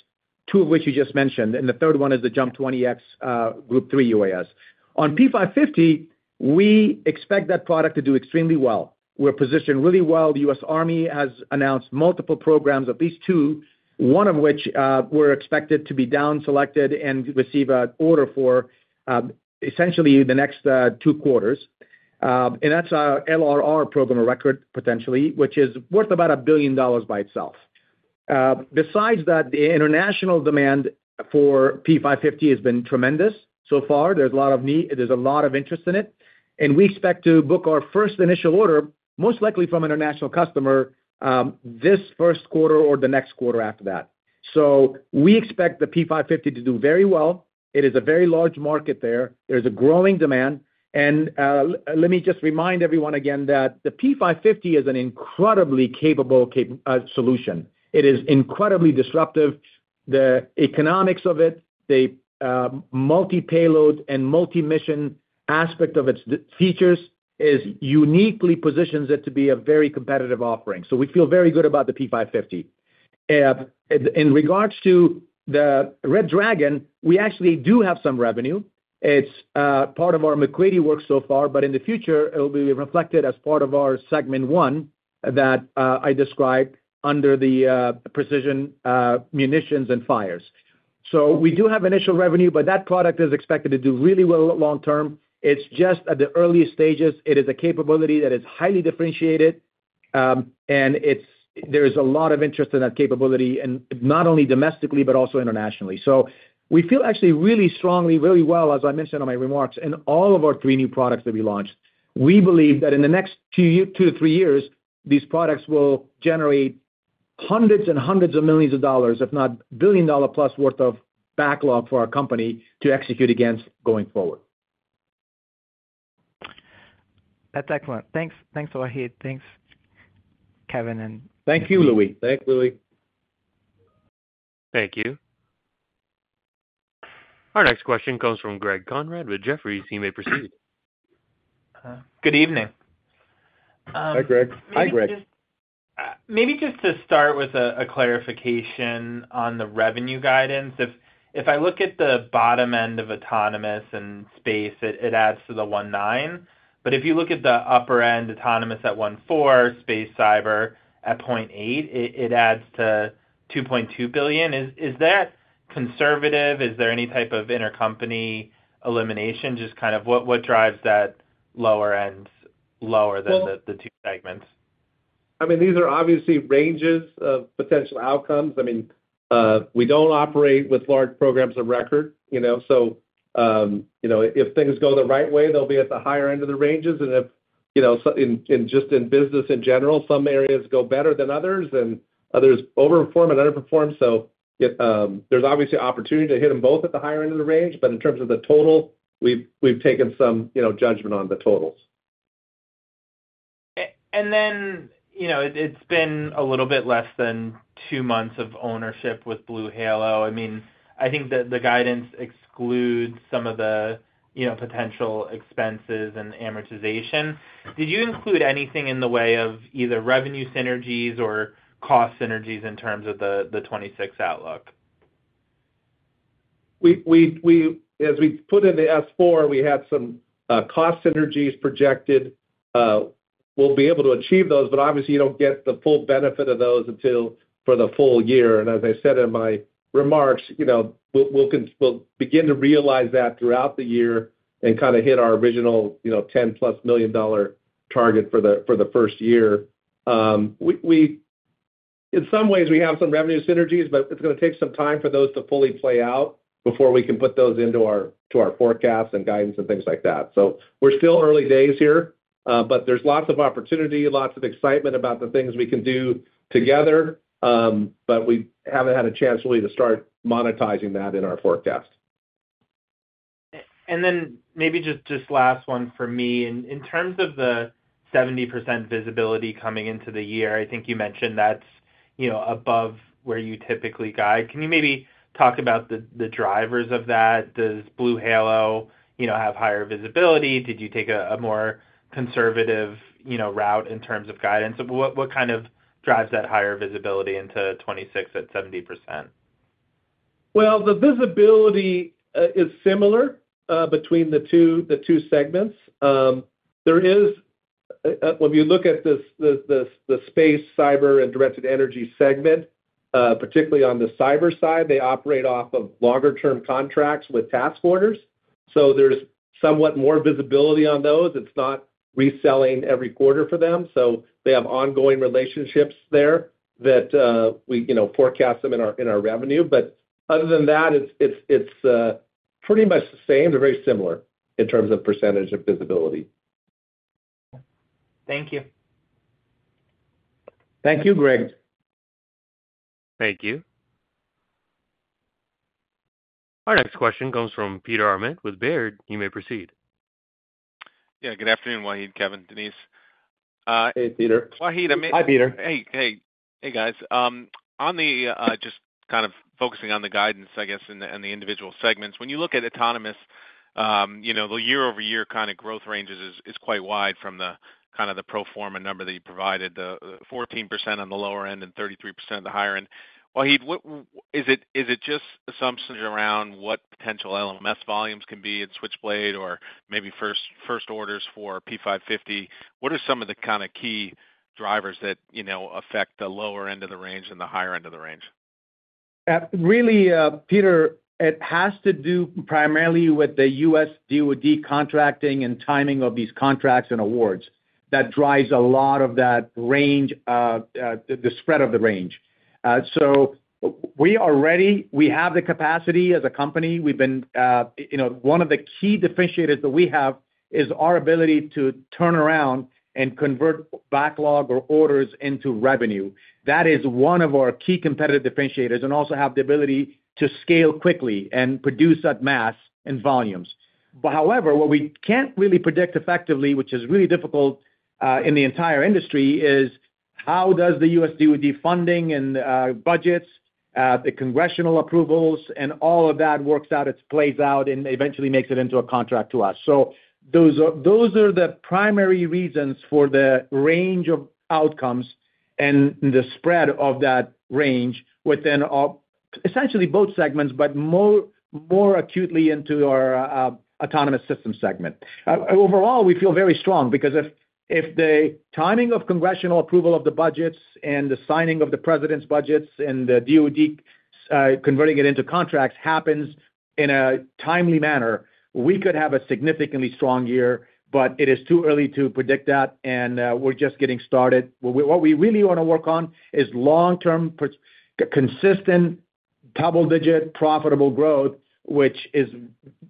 two of which you just mentioned, and the third one is the Jump 20-X Group 3 UAS. On P550, we expect that product to do extremely well. We're positioned really well. The U.S. Army has announced multiple programs, at least two, one of which we're expected to be down-selected and receive an order for essentially the next two quarters. That's our LRR Program of record, potentially, which is worth about $1 billion by itself. Besides that, the international demand for P550 has been tremendous so far. There's a lot of need. There's a lot of interest in it. We expect to book our first initial order, most likely from an international customer, this first quarter or the next quarter after that. We expect the P550 to do very well. It is a very large market there. There's a growing demand. Let me just remind everyone again that the P550 is an incredibly capable solution. It is incredibly disruptive. The economics of it, the multi-payload and multi-mission aspect of its features uniquely positions it to be a very competitive offering. We feel very good about the P550. In regards to the Red Dragon, we actually do have some revenue. It's part of our MacCready Works so far, but in the future, it will be reflected as part of our segment one that I described under the precision munitions and fires. We do have initial revenue, but that product is expected to do really well long-term. It's just at the early stages. It is a capability that is highly differentiated, and there is a lot of interest in that capability, not only domestically but also internationally. We feel actually really strongly, really well, as I mentioned in my remarks, in all of our three new products that we launched. We believe that in the next two to three years, these products will generate hundreds and hundreds of millions of dollars, if not billion-dollar-plus worth of backlog for our company to execute against going forward. That's excellent. Thanks, Wahid. Thanks, Kevin. Thank you, Louie. Thank you, Louie. Thank you. Our next question comes from Greg Konrad with Jefferies. You may proceed. Good evening. Hi, Greg. Maybe just to start with a clarification on the revenue guidance. If I look at the bottom end of autonomous and space, it adds to the 1.9. But if you look at the upper end, autonomous at 1.4, space, cyber at 0.8, it adds to $2.2 billion. Is that conservative? Is there any type of intercompany elimination? Just kind of what drives that lower end lower than the two segments? I mean, these are obviously ranges of potential outcomes. I mean, we do not operate with large programs of record. If things go the right way, they will be at the higher end of the ranges. Just in business in general, some areas go better than others, and others overperform and underperform. There is obviously opportunity to hit them both at the higher end of the range. In terms of the total, we have taken some judgment on the totals. It has been a little bit less than two months of ownership with BlueHalo. I mean, I think that the guidance excludes some of the potential expenses and amortization. Did you include anything in the way of either revenue synergies or cost synergies in terms of the 2026 outlook? As we put in the S-4, we had some cost synergies projected. We'll be able to achieve those, but obviously, you don't get the full benefit of those until for the full year. As I said in my remarks, we'll begin to realize that throughout the year and kind of hit our original $10+ million target for the first year. In some ways, we have some revenue synergies, but it's going to take some time for those to fully play out before we can put those into our forecasts and guidance and things like that. We're still early days here, but there's lots of opportunity, lots of excitement about the things we can do together, but we haven't had a chance really to start monetizing that in our forecast. Maybe just last one for me. In terms of the 70% visibility coming into the year, I think you mentioned that's above where you typically guide. Can you maybe talk about the drivers of that? Does BlueHalo have higher visibility? Did you take a more conservative route in terms of guidance? What kind of drives that higher visibility into 2026 at 70%? The visibility is similar between the two segments. If you look at the space, cyber, and directed energy segment, particularly on the cyber side, they operate off of longer-term contracts with task orders. So there's somewhat more visibility on those. It's not reselling every quarter for them. They have ongoing relationships there that we forecast them in our revenue. Other than that, it's pretty much the same. They're very similar in terms of % of visibility. Thank you. Thank you, Greg. Thank you. Our next question comes from Peter Arment with Baird. You may proceed. Yeah. Good afternoon, Wahid, Kevin, Denise. Hey, Peter. Wahid, I'm in. Hi, Peter. Hey, guys. Just kind of focusing on the guidance, I guess, and the individual segments. When you look at autonomous, the year-over-year kind of growth range is quite wide from kind of the pro forma number that you provided, the 14% on the lower end and 33% on the higher end. Wahid, is it just assumptions around what potential LMS volumes can be in Switchblade or maybe first orders for P550? What are some of the kind of key drivers that affect the lower end of the range and the higher end of the range? Really, Peter, it has to do primarily with the U.S. DoD contracting and timing of these contracts and awards. That drives a lot of that range, the spread of the range. We are ready. We have the capacity as a company. One of the key differentiators that we have is our ability to turn around and convert backlog or orders into revenue. That is one of our key competitive differentiators and also have the ability to scale quickly and produce at mass and volumes. However, what we can't really predict effectively, which is really difficult in the entire industry, is how does the U.S. DoD funding and budgets, the congressional approvals, and all of that works out, it plays out, and eventually makes it into a contract to us. Those are the primary reasons for the range of outcomes and the spread of that range within essentially both segments, but more acutely into our autonomous system segment. Overall, we feel very strong because if the timing of congressional approval of the budgets and the signing of the president's budgets and the DoD converting it into contracts happens in a timely manner, we could have a significantly strong year, but it is too early to predict that, and we're just getting started. What we really want to work on is long-term, consistent, double-digit, profitable growth, which is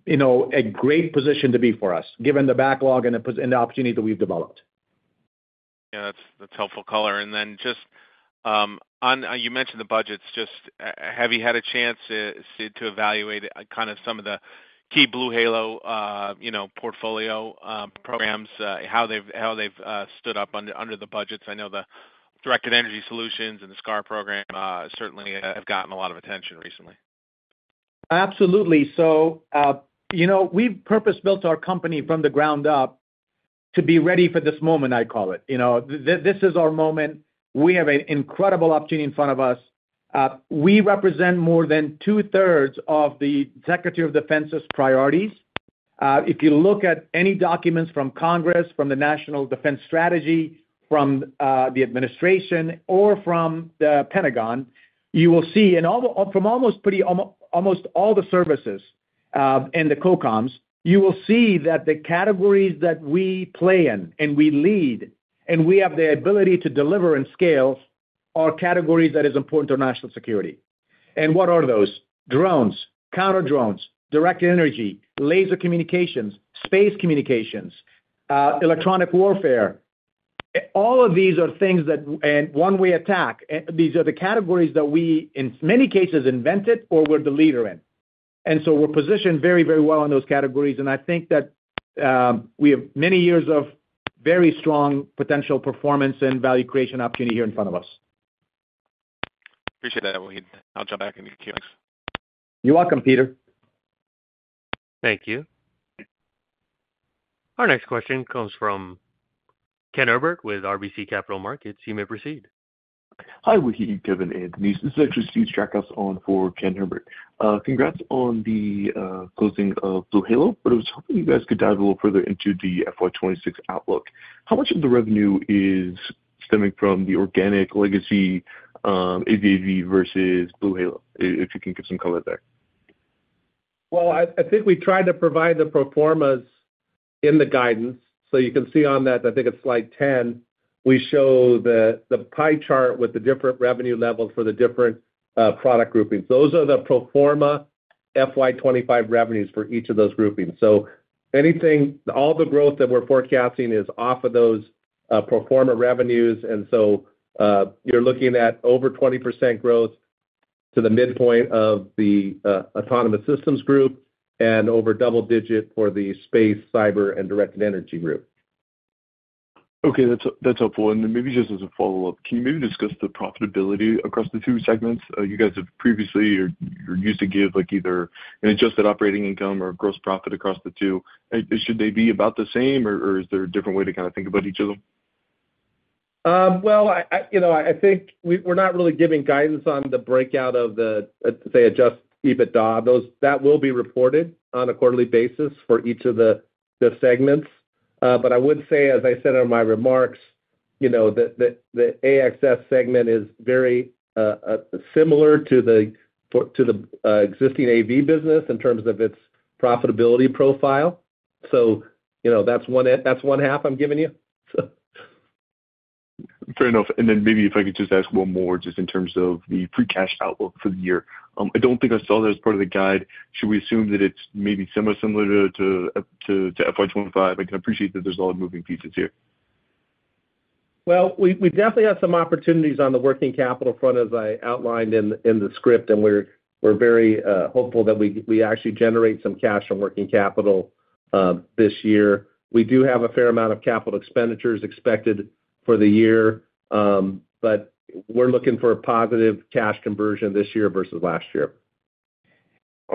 a great position to be for us given the backlog and the opportunity that we've developed. Yeah, that's helpful color. You mentioned the budgets. Have you had a chance to evaluate kind of some of the key BlueHalo portfolio programs, how they've stood up under the budgets? I know the Directed Energy Solutions and the SCAR program certainly have gotten a lot of attention recently. Absolutely. We have purpose-built our company from the ground up to be ready for this moment, I call it. This is our moment. We have an incredible opportunity in front of us. We represent more than two-thirds of the Secretary of Defense's priorities. If you look at any documents from Congress, from the National Defense Strategy, from the administration, or from the Pentagon, you will see from almost all the services and the COCOMs, you will see that the categories that we play in and we lead and we have the ability to deliver and scale are categories that are important to national security. What are those? Drones, counter-drones, directed energy, laser communications, space communications, electronic warfare. All of these are things that one-way attack. These are the categories that we, in many cases, invented or we are the leader in. We're positioned very, very well in those categories. I think that we have many years of very strong potential performance and value creation opportunity here in front of us. Appreciate that, Wahid. I'll jump back in a few minutes. You're welcome, Peter. Thank you. Our next question comes from Ken Herbert with RBC Capital Markets. You may proceed. Hi, Wahid, Kevin, and Denise. This is actually Stephen Strackhouse on for Ken Herbert. Congrats on the closing of BlueHalo, but I was hoping you guys could dive a little further into the FY 2026 outlook. How much of the revenue is stemming from the organic legacy AVAV versus BlueHalo? If you can give some color there. I think we tried to provide the pro formas in the guidance. You can see on that, I think it's slide 10, we show the pie chart with the different revenue levels for the different product groupings. Those are the pro forma FY 2025 revenues for each of those groupings. All the growth that we're forecasting is off of those pro forma revenues. You're looking at over 20% growth to the midpoint of the autonomous systems group and over double-digit for the space, cyber, and directed energy group. Okay. That's helpful. Maybe just as a follow-up, can you maybe discuss the profitability across the two segments? You guys have previously used to give either an adjusted operating income or gross profit across the two. Should they be about the same, or is there a different way to kind of think about each of them? I think we're not really giving guidance on the breakout of the, say, adjusted EBITDA. That will be reported on a quarterly basis for each of the segments. I would say, as I said in my remarks, the AXS segment is very similar to the existing AV business in terms of its profitability profile. That is one half I'm giving you. Fair enough. Maybe if I could just ask one more just in terms of the pre-cash outlook for the year. I do not think I saw that as part of the guide. Should we assume that it is maybe similar to FY 2025? I can appreciate that there is a lot of moving pieces here. We definitely have some opportunities on the working capital front, as I outlined in the script, and we're very hopeful that we actually generate some cash on working capital this year. We do have a fair amount of capital expenditures expected for the year, but we're looking for a positive cash conversion this year versus last year.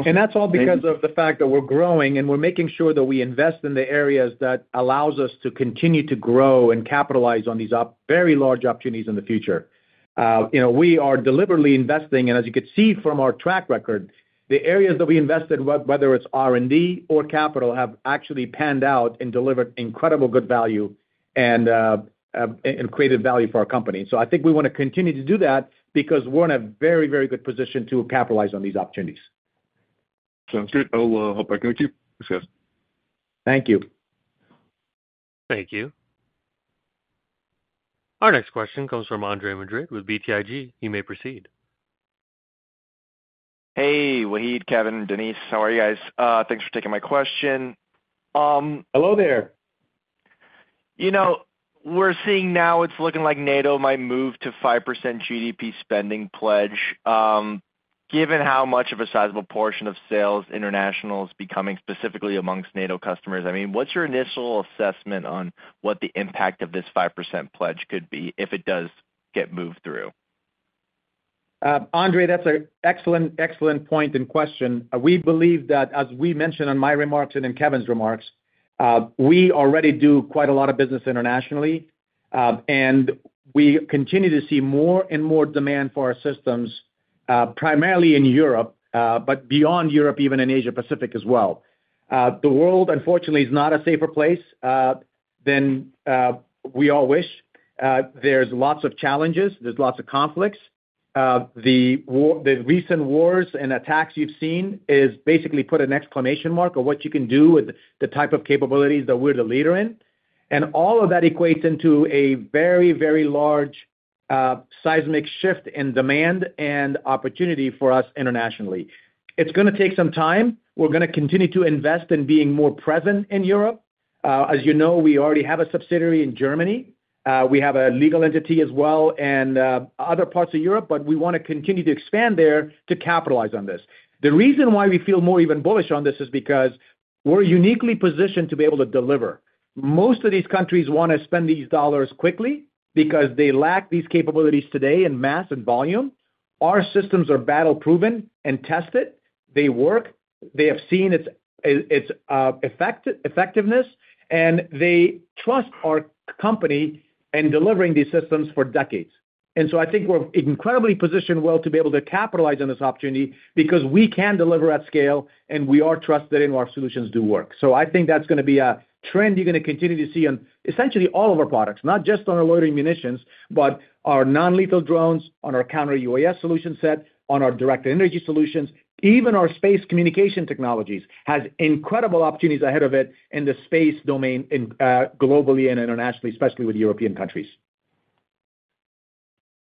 That's all because of the fact that we're growing and we're making sure that we invest in the areas that allow us to continue to grow and capitalize on these very large opportunities in the future. We are deliberately investing, and as you could see from our track record, the areas that we invested, whether it's R&D or capital, have actually panned out and delivered incredible good value and created value for our company. I think we want to continue to do that because we're in a very, very good position to capitalize on these opportunities. Sounds good. I'll hop back in with you. Thanks, guys. Thank you. Thank you. Our next question comes from Andre Madrid with BTIG. You may proceed. Hey, Wahid, Kevin, Denise. How are you guys? Thanks for taking my question. Hello there. We're seeing now it's looking like NATO might move to 5% GDP spending pledge. Given how much of a sizable portion of sales international is becoming specifically amongst NATO customers, I mean, what's your initial assessment on what the impact of this 5% pledge could be if it does get moved through? Andre, that's an excellent point and question. We believe that, as we mentioned in my remarks and in Kevin's remarks, we already do quite a lot of business internationally, and we continue to see more and more demand for our systems, primarily in Europe, but beyond Europe, even in Asia-Pacific as well. The world, unfortunately, is not a safer place than we all wish. There's lots of challenges. There's lots of conflicts. The recent wars and attacks you've seen have basically put an exclamation mark on what you can do with the type of capabilities that we're the leader in. All of that equates into a very, very large seismic shift in demand and opportunity for us internationally. It's going to take some time. We're going to continue to invest in being more present in Europe. As you know, we already have a subsidiary in Germany. We have a legal entity as well in other parts of Europe, but we want to continue to expand there to capitalize on this. The reason why we feel more even bullish on this is because we're uniquely positioned to be able to deliver. Most of these countries want to spend these dollars quickly because they lack these capabilities today in mass and volume. Our systems are battle proven and tested. They work. They have seen its effectiveness, and they trust our company in delivering these systems for decades. I think we're incredibly positioned well to be able to capitalize on this opportunity because we can deliver at scale, and we are trusted in our solutions do work. I think that's going to be a trend you're going to continue to see on essentially all of our products, not just on our loitering munitions, but our non-lethal drones, on our counter-UAS solution set, on our directed energy solutions, even our space communication technologies have incredible opportunities ahead of it in the space domain globally and internationally, especially with European countries.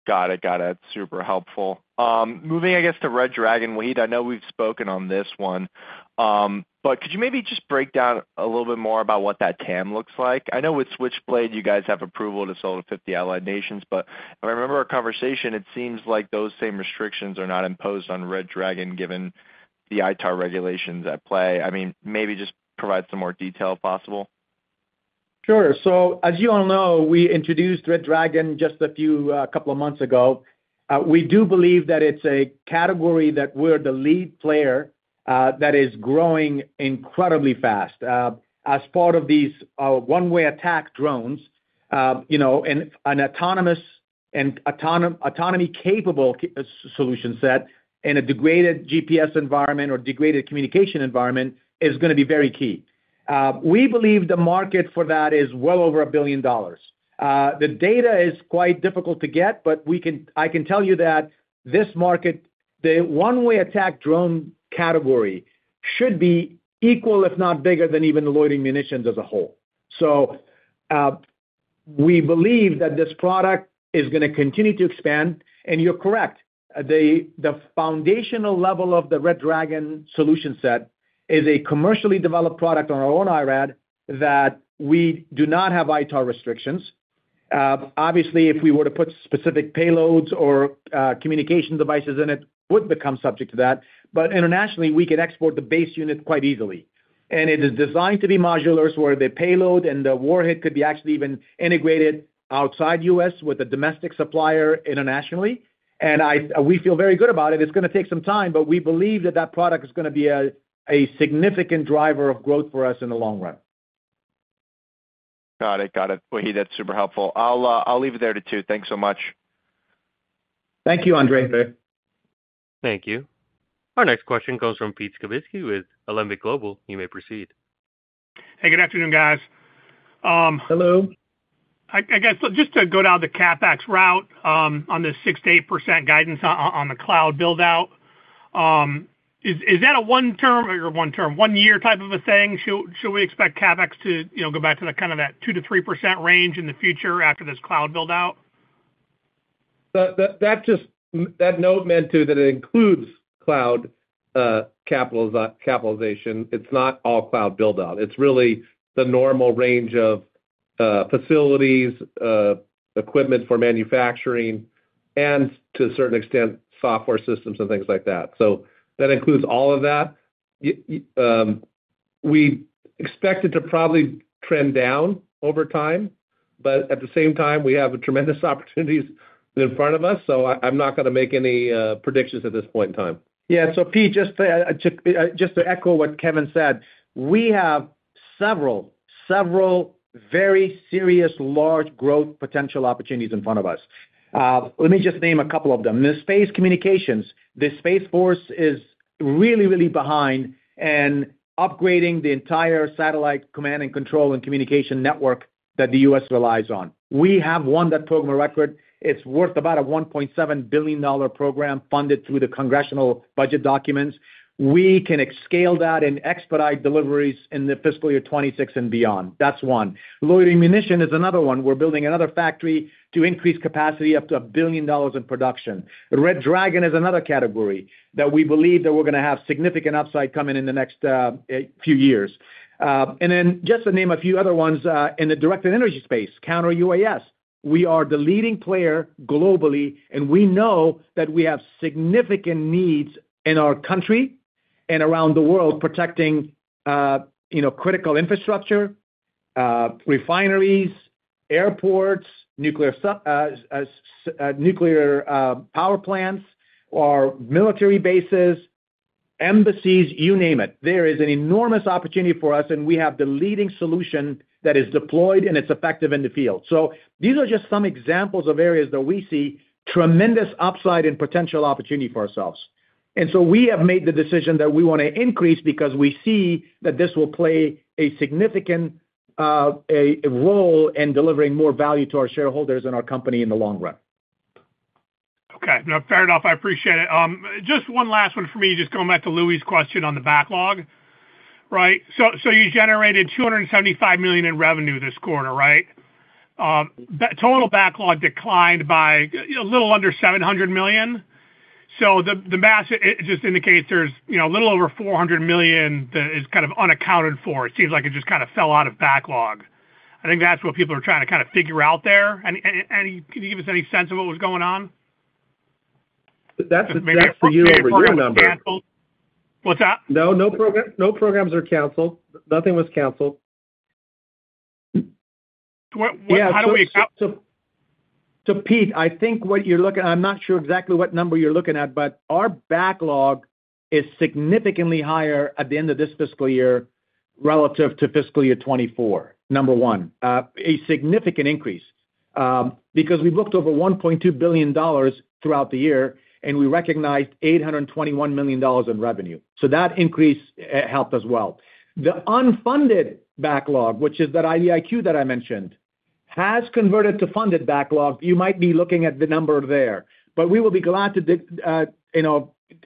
Got it. Got it. Super helpful. Moving, I guess, to Red Dragon, Wahid, I know we've spoken on this one, but could you maybe just break down a little bit more about what that TAM looks like? I know with Switchblade, you guys have approval to sell to 50 allied nations, but if I remember our conversation, it seems like those same restrictions are not imposed on Red Dragon given the ITAR regulations at play. I mean, maybe just provide some more detail if possible. Sure. As you all know, we introduced Red Dragon just a couple of months ago. We do believe that it's a category that we're the lead player in that is growing incredibly fast as part of these one-way attack drones, and an autonomy-capable solution set in a degraded GPS environment or degraded communication environment is going to be very key. We believe the market for that is well over $1 billion. The data is quite difficult to get, but I can tell you that this market, the one-way attack drone category, should be equal, if not bigger, than even the loitering munitions as a whole. We believe that this product is going to continue to expand. You're correct. The foundational level of the Red Dragon solution set is a commercially developed product on our own IRAD that we do not have ITAR restrictions. Obviously, if we were to put specific payloads or communication devices in it, it would become subject to that. Internationally, we can export the base unit quite easily. It is designed to be modular where the payload and the warhead could be actually even integrated outside the U.S. with a domestic supplier internationally. We feel very good about it. It's going to take some time, but we believe that that product is going to be a significant driver of growth for us in the long run. Got it. Got it. Wahid, that's super helpful. I'll leave it there too. Thanks so much. Thank you, Andre. Thank you. Our next question comes from Peter Skibitski with Olympic Global. You may proceed. Hey, good afternoon, guys. Hello. I guess just to go down the CapEx route on the 6-8% guidance on the cloud buildout, is that a one-term or one-year type of a thing? Should we expect CapEx to go back to kind of that 2%-3% range in the future after this cloud buildout? That note meant too that it includes cloud capitalization. It's not all cloud buildout. It's really the normal range of facilities, equipment for manufacturing, and to a certain extent, software systems and things like that. That includes all of that. We expect it to probably trend down over time, but at the same time, we have tremendous opportunities in front of us. I'm not going to make any predictions at this point in time. Yeah. Pete, just to echo what Kevin said, we have several, several very serious large growth potential opportunities in front of us. Let me just name a couple of them. The space communications, the Space Force is really, really behind in upgrading the entire satellite command and control and communication network that the U.S. relies on. We have won that program of record. It's worth about a $1.7 billion program funded through the congressional budget documents. We can scale that and expedite deliveries in the fiscal year 2026 and beyond. That's one. Loitering munition is another one. We're building another factory to increase capacity up to $1 billion in production. Red Dragon is another category that we believe that we're going to have significant upside coming in the next few years. Just to name a few other ones in the directed energy space, counter-UAS, we are the leading player globally, and we know that we have significant needs in our country and around the world protecting critical infrastructure, refineries, airports, nuclear power plants, our military bases, embassies, you name it. There is an enormous opportunity for us, and we have the leading solution that is deployed and it's effective in the field. These are just some examples of areas that we see tremendous upside and potential opportunity for ourselves. We have made the decision that we want to increase because we see that this will play a significant role in delivering more value to our shareholders and our company in the long run. Okay. Fair enough. I appreciate it. Just one last one for me, just going back to Louie's question on the backlog, right? You generated $275 million in revenue this quarter, right? Total backlog declined by a little under $700 million. The math just indicates there is a little over $400 million that is kind of unaccounted for. It seems like it just kind of fell out of backlog. I think that is what people are trying to kind of figure out there. Can you give us any sense of what was going on? That's a tax for you over your number. What's that? No, no programs are canceled. Nothing was canceled. How do we account? To Pete, I think what you're looking at, I'm not sure exactly what number you're looking at, but our backlog is significantly higher at the end of this fiscal year relative to fiscal year 2024, number one. A significant increase because we've booked over $1.2 billion throughout the year, and we recognized $821 million in revenue. That increase helped us well. The unfunded backlog, which is that IDIQ that I mentioned, has converted to funded backlog. You might be looking at the number there, but we will be glad to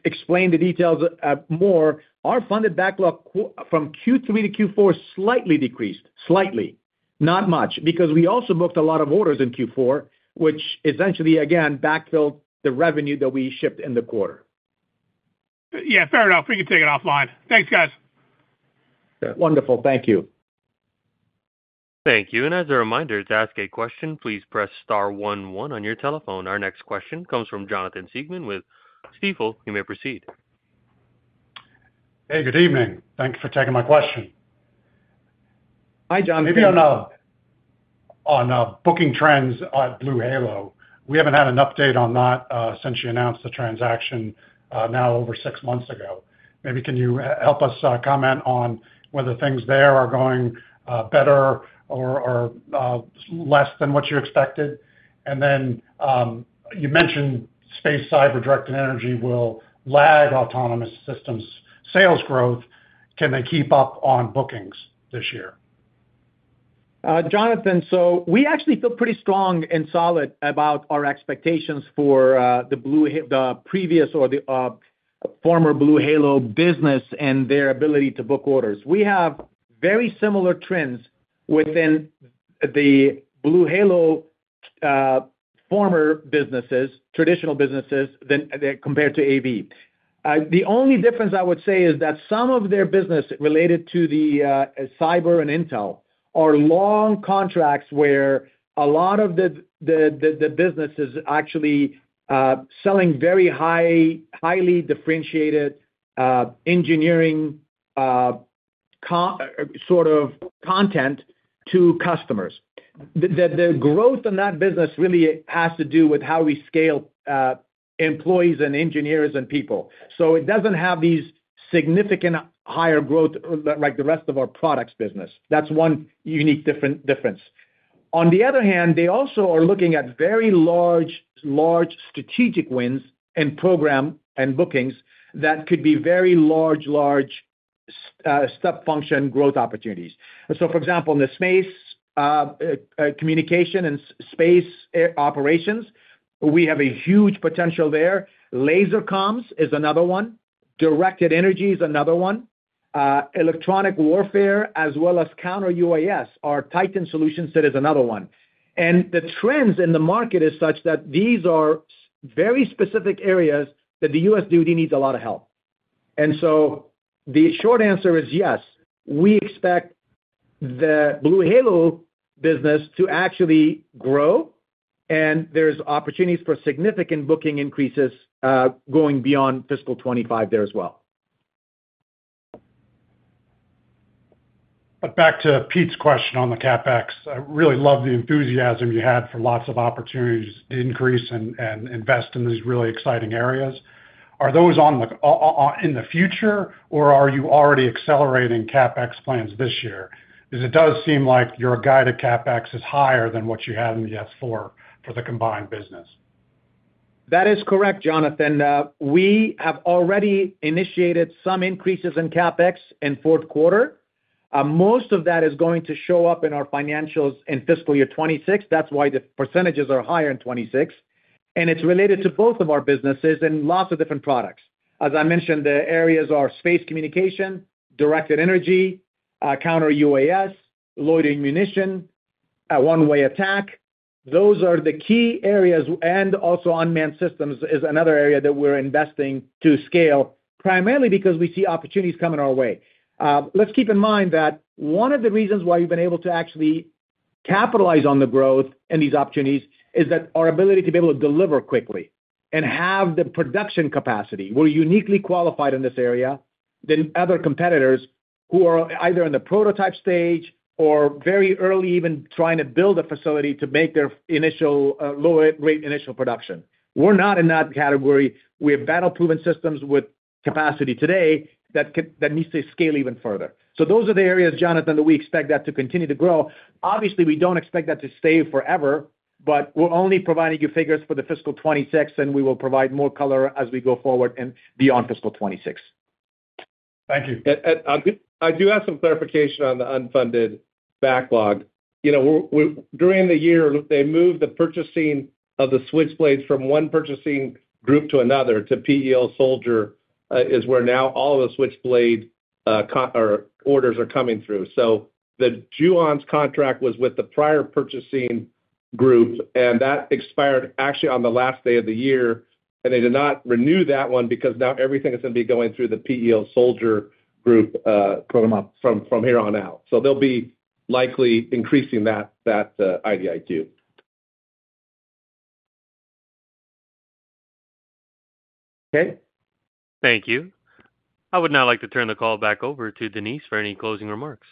explain the details more. Our funded backlog from Q3 to Q4 slightly decreased, slightly, not much, because we also booked a lot of orders in Q4, which essentially, again, backfilled the revenue that we shipped in the quarter. Yeah. Fair enough. We can take it offline. Thanks, guys. Wonderful. Thank you. Thank you. As a reminder, to ask a question, please press star one one on your telephone. Our next question comes from Jonathan Siegmann with Stifel. You may proceed. Hey, good evening. Thanks for taking my question. Hi, John. Maybe on booking trends at BlueHalo. We haven't had an update on that since you announced the transaction now over six months ago. Maybe can you help us comment on whether things there are going better or less than what you expected? You mentioned Space, Cyber, Directed Energy will lag autonomous systems sales growth. Can they keep up on bookings this year? Jonathan, so we actually feel pretty strong and solid about our expectations for the previous or the former BlueHalo business and their ability to book orders. We have very similar trends within the BlueHalo former businesses, traditional businesses compared to AV. The only difference I would say is that some of their business related to the cyber and intel are long contracts where a lot of the business is actually selling very highly differentiated engineering sort of content to customers. The growth in that business really has to do with how we scale employees and engineers and people. So it doesn't have these significant higher growth like the rest of our products business. That's one unique difference. On the other hand, they also are looking at very large strategic wins and program and bookings that could be very large, large step function growth opportunities. For example, in the space communication and space operations, we have a huge potential there. Laser comms is another one. Directed energy is another one. Electronic warfare, as well as counter-UAS, our TITAN solution set is another one. The trends in the market are such that these are very specific areas that the U.S. do need a lot of help. The short answer is yes. We expect the BlueHalo business to actually grow, and there are opportunities for significant booking increases going beyond fiscal 2025 there as well. Back to Pete's question on the CapEx, I really love the enthusiasm you had for lots of opportunities to increase and invest in these really exciting areas. Are those in the future, or are you already accelerating CapEx plans this year? Because it does seem like your guided CapEx is higher than what you had in the S4 for the combined business. That is correct, Jonathan. We have already initiated some increases in CapEx in fourth quarter. Most of that is going to show up in our financials in fiscal year 2026. That's why the percentages are higher in 2026. And it's related to both of our businesses and lots of different products. As I mentioned, the areas are space communication, directed energy, counter-UAS, loitering munition, one-way attack. Those are the key areas. Also, unmanned systems is another area that we're investing to scale, primarily because we see opportunities coming our way. Let's keep in mind that one of the reasons why we've been able to actually capitalize on the growth in these opportunities is that our ability to be able to deliver quickly and have the production capacity. We're uniquely qualified in this area than other competitors who are either in the prototype stage or very early, even trying to build a facility to make their initial low-rate initial production. We're not in that category. We have battle-proven systems with capacity today that need to scale even further. Those are the areas, Jonathan, that we expect that to continue to grow. Obviously, we don't expect that to stay forever, but we're only providing you figures for the fiscal 2026, and we will provide more color as we go forward and beyond fiscal 2026. Thank you. I do have some clarification on the unfunded backlog. During the year, they moved the purchasing of the Switchblades from one purchasing group to another. To PEO Soldier is where now all of the Switchblade orders are coming through. The JUONS contract was with the prior purchasing group, and that expired actually on the last day of the year. They did not renew that one because now everything is going to be going through the PEO Soldier group from here on out. They'll be likely increasing that IDIQ. Okay. Thank you. I would now like to turn the call back over to Denise for any closing remarks.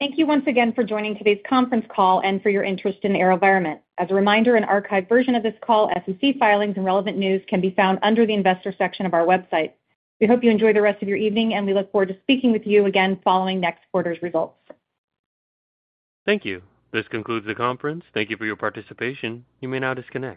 Thank you once again for joining today's conference call and for your interest in AeroVironment. As a reminder, an archived version of this call, SEC filings, and relevant news can be found under the investor section of our website. We hope you enjoy the rest of your evening, and we look forward to speaking with you again following next quarter's results. Thank you. This concludes the conference. Thank you for your participation. You may now disconnect.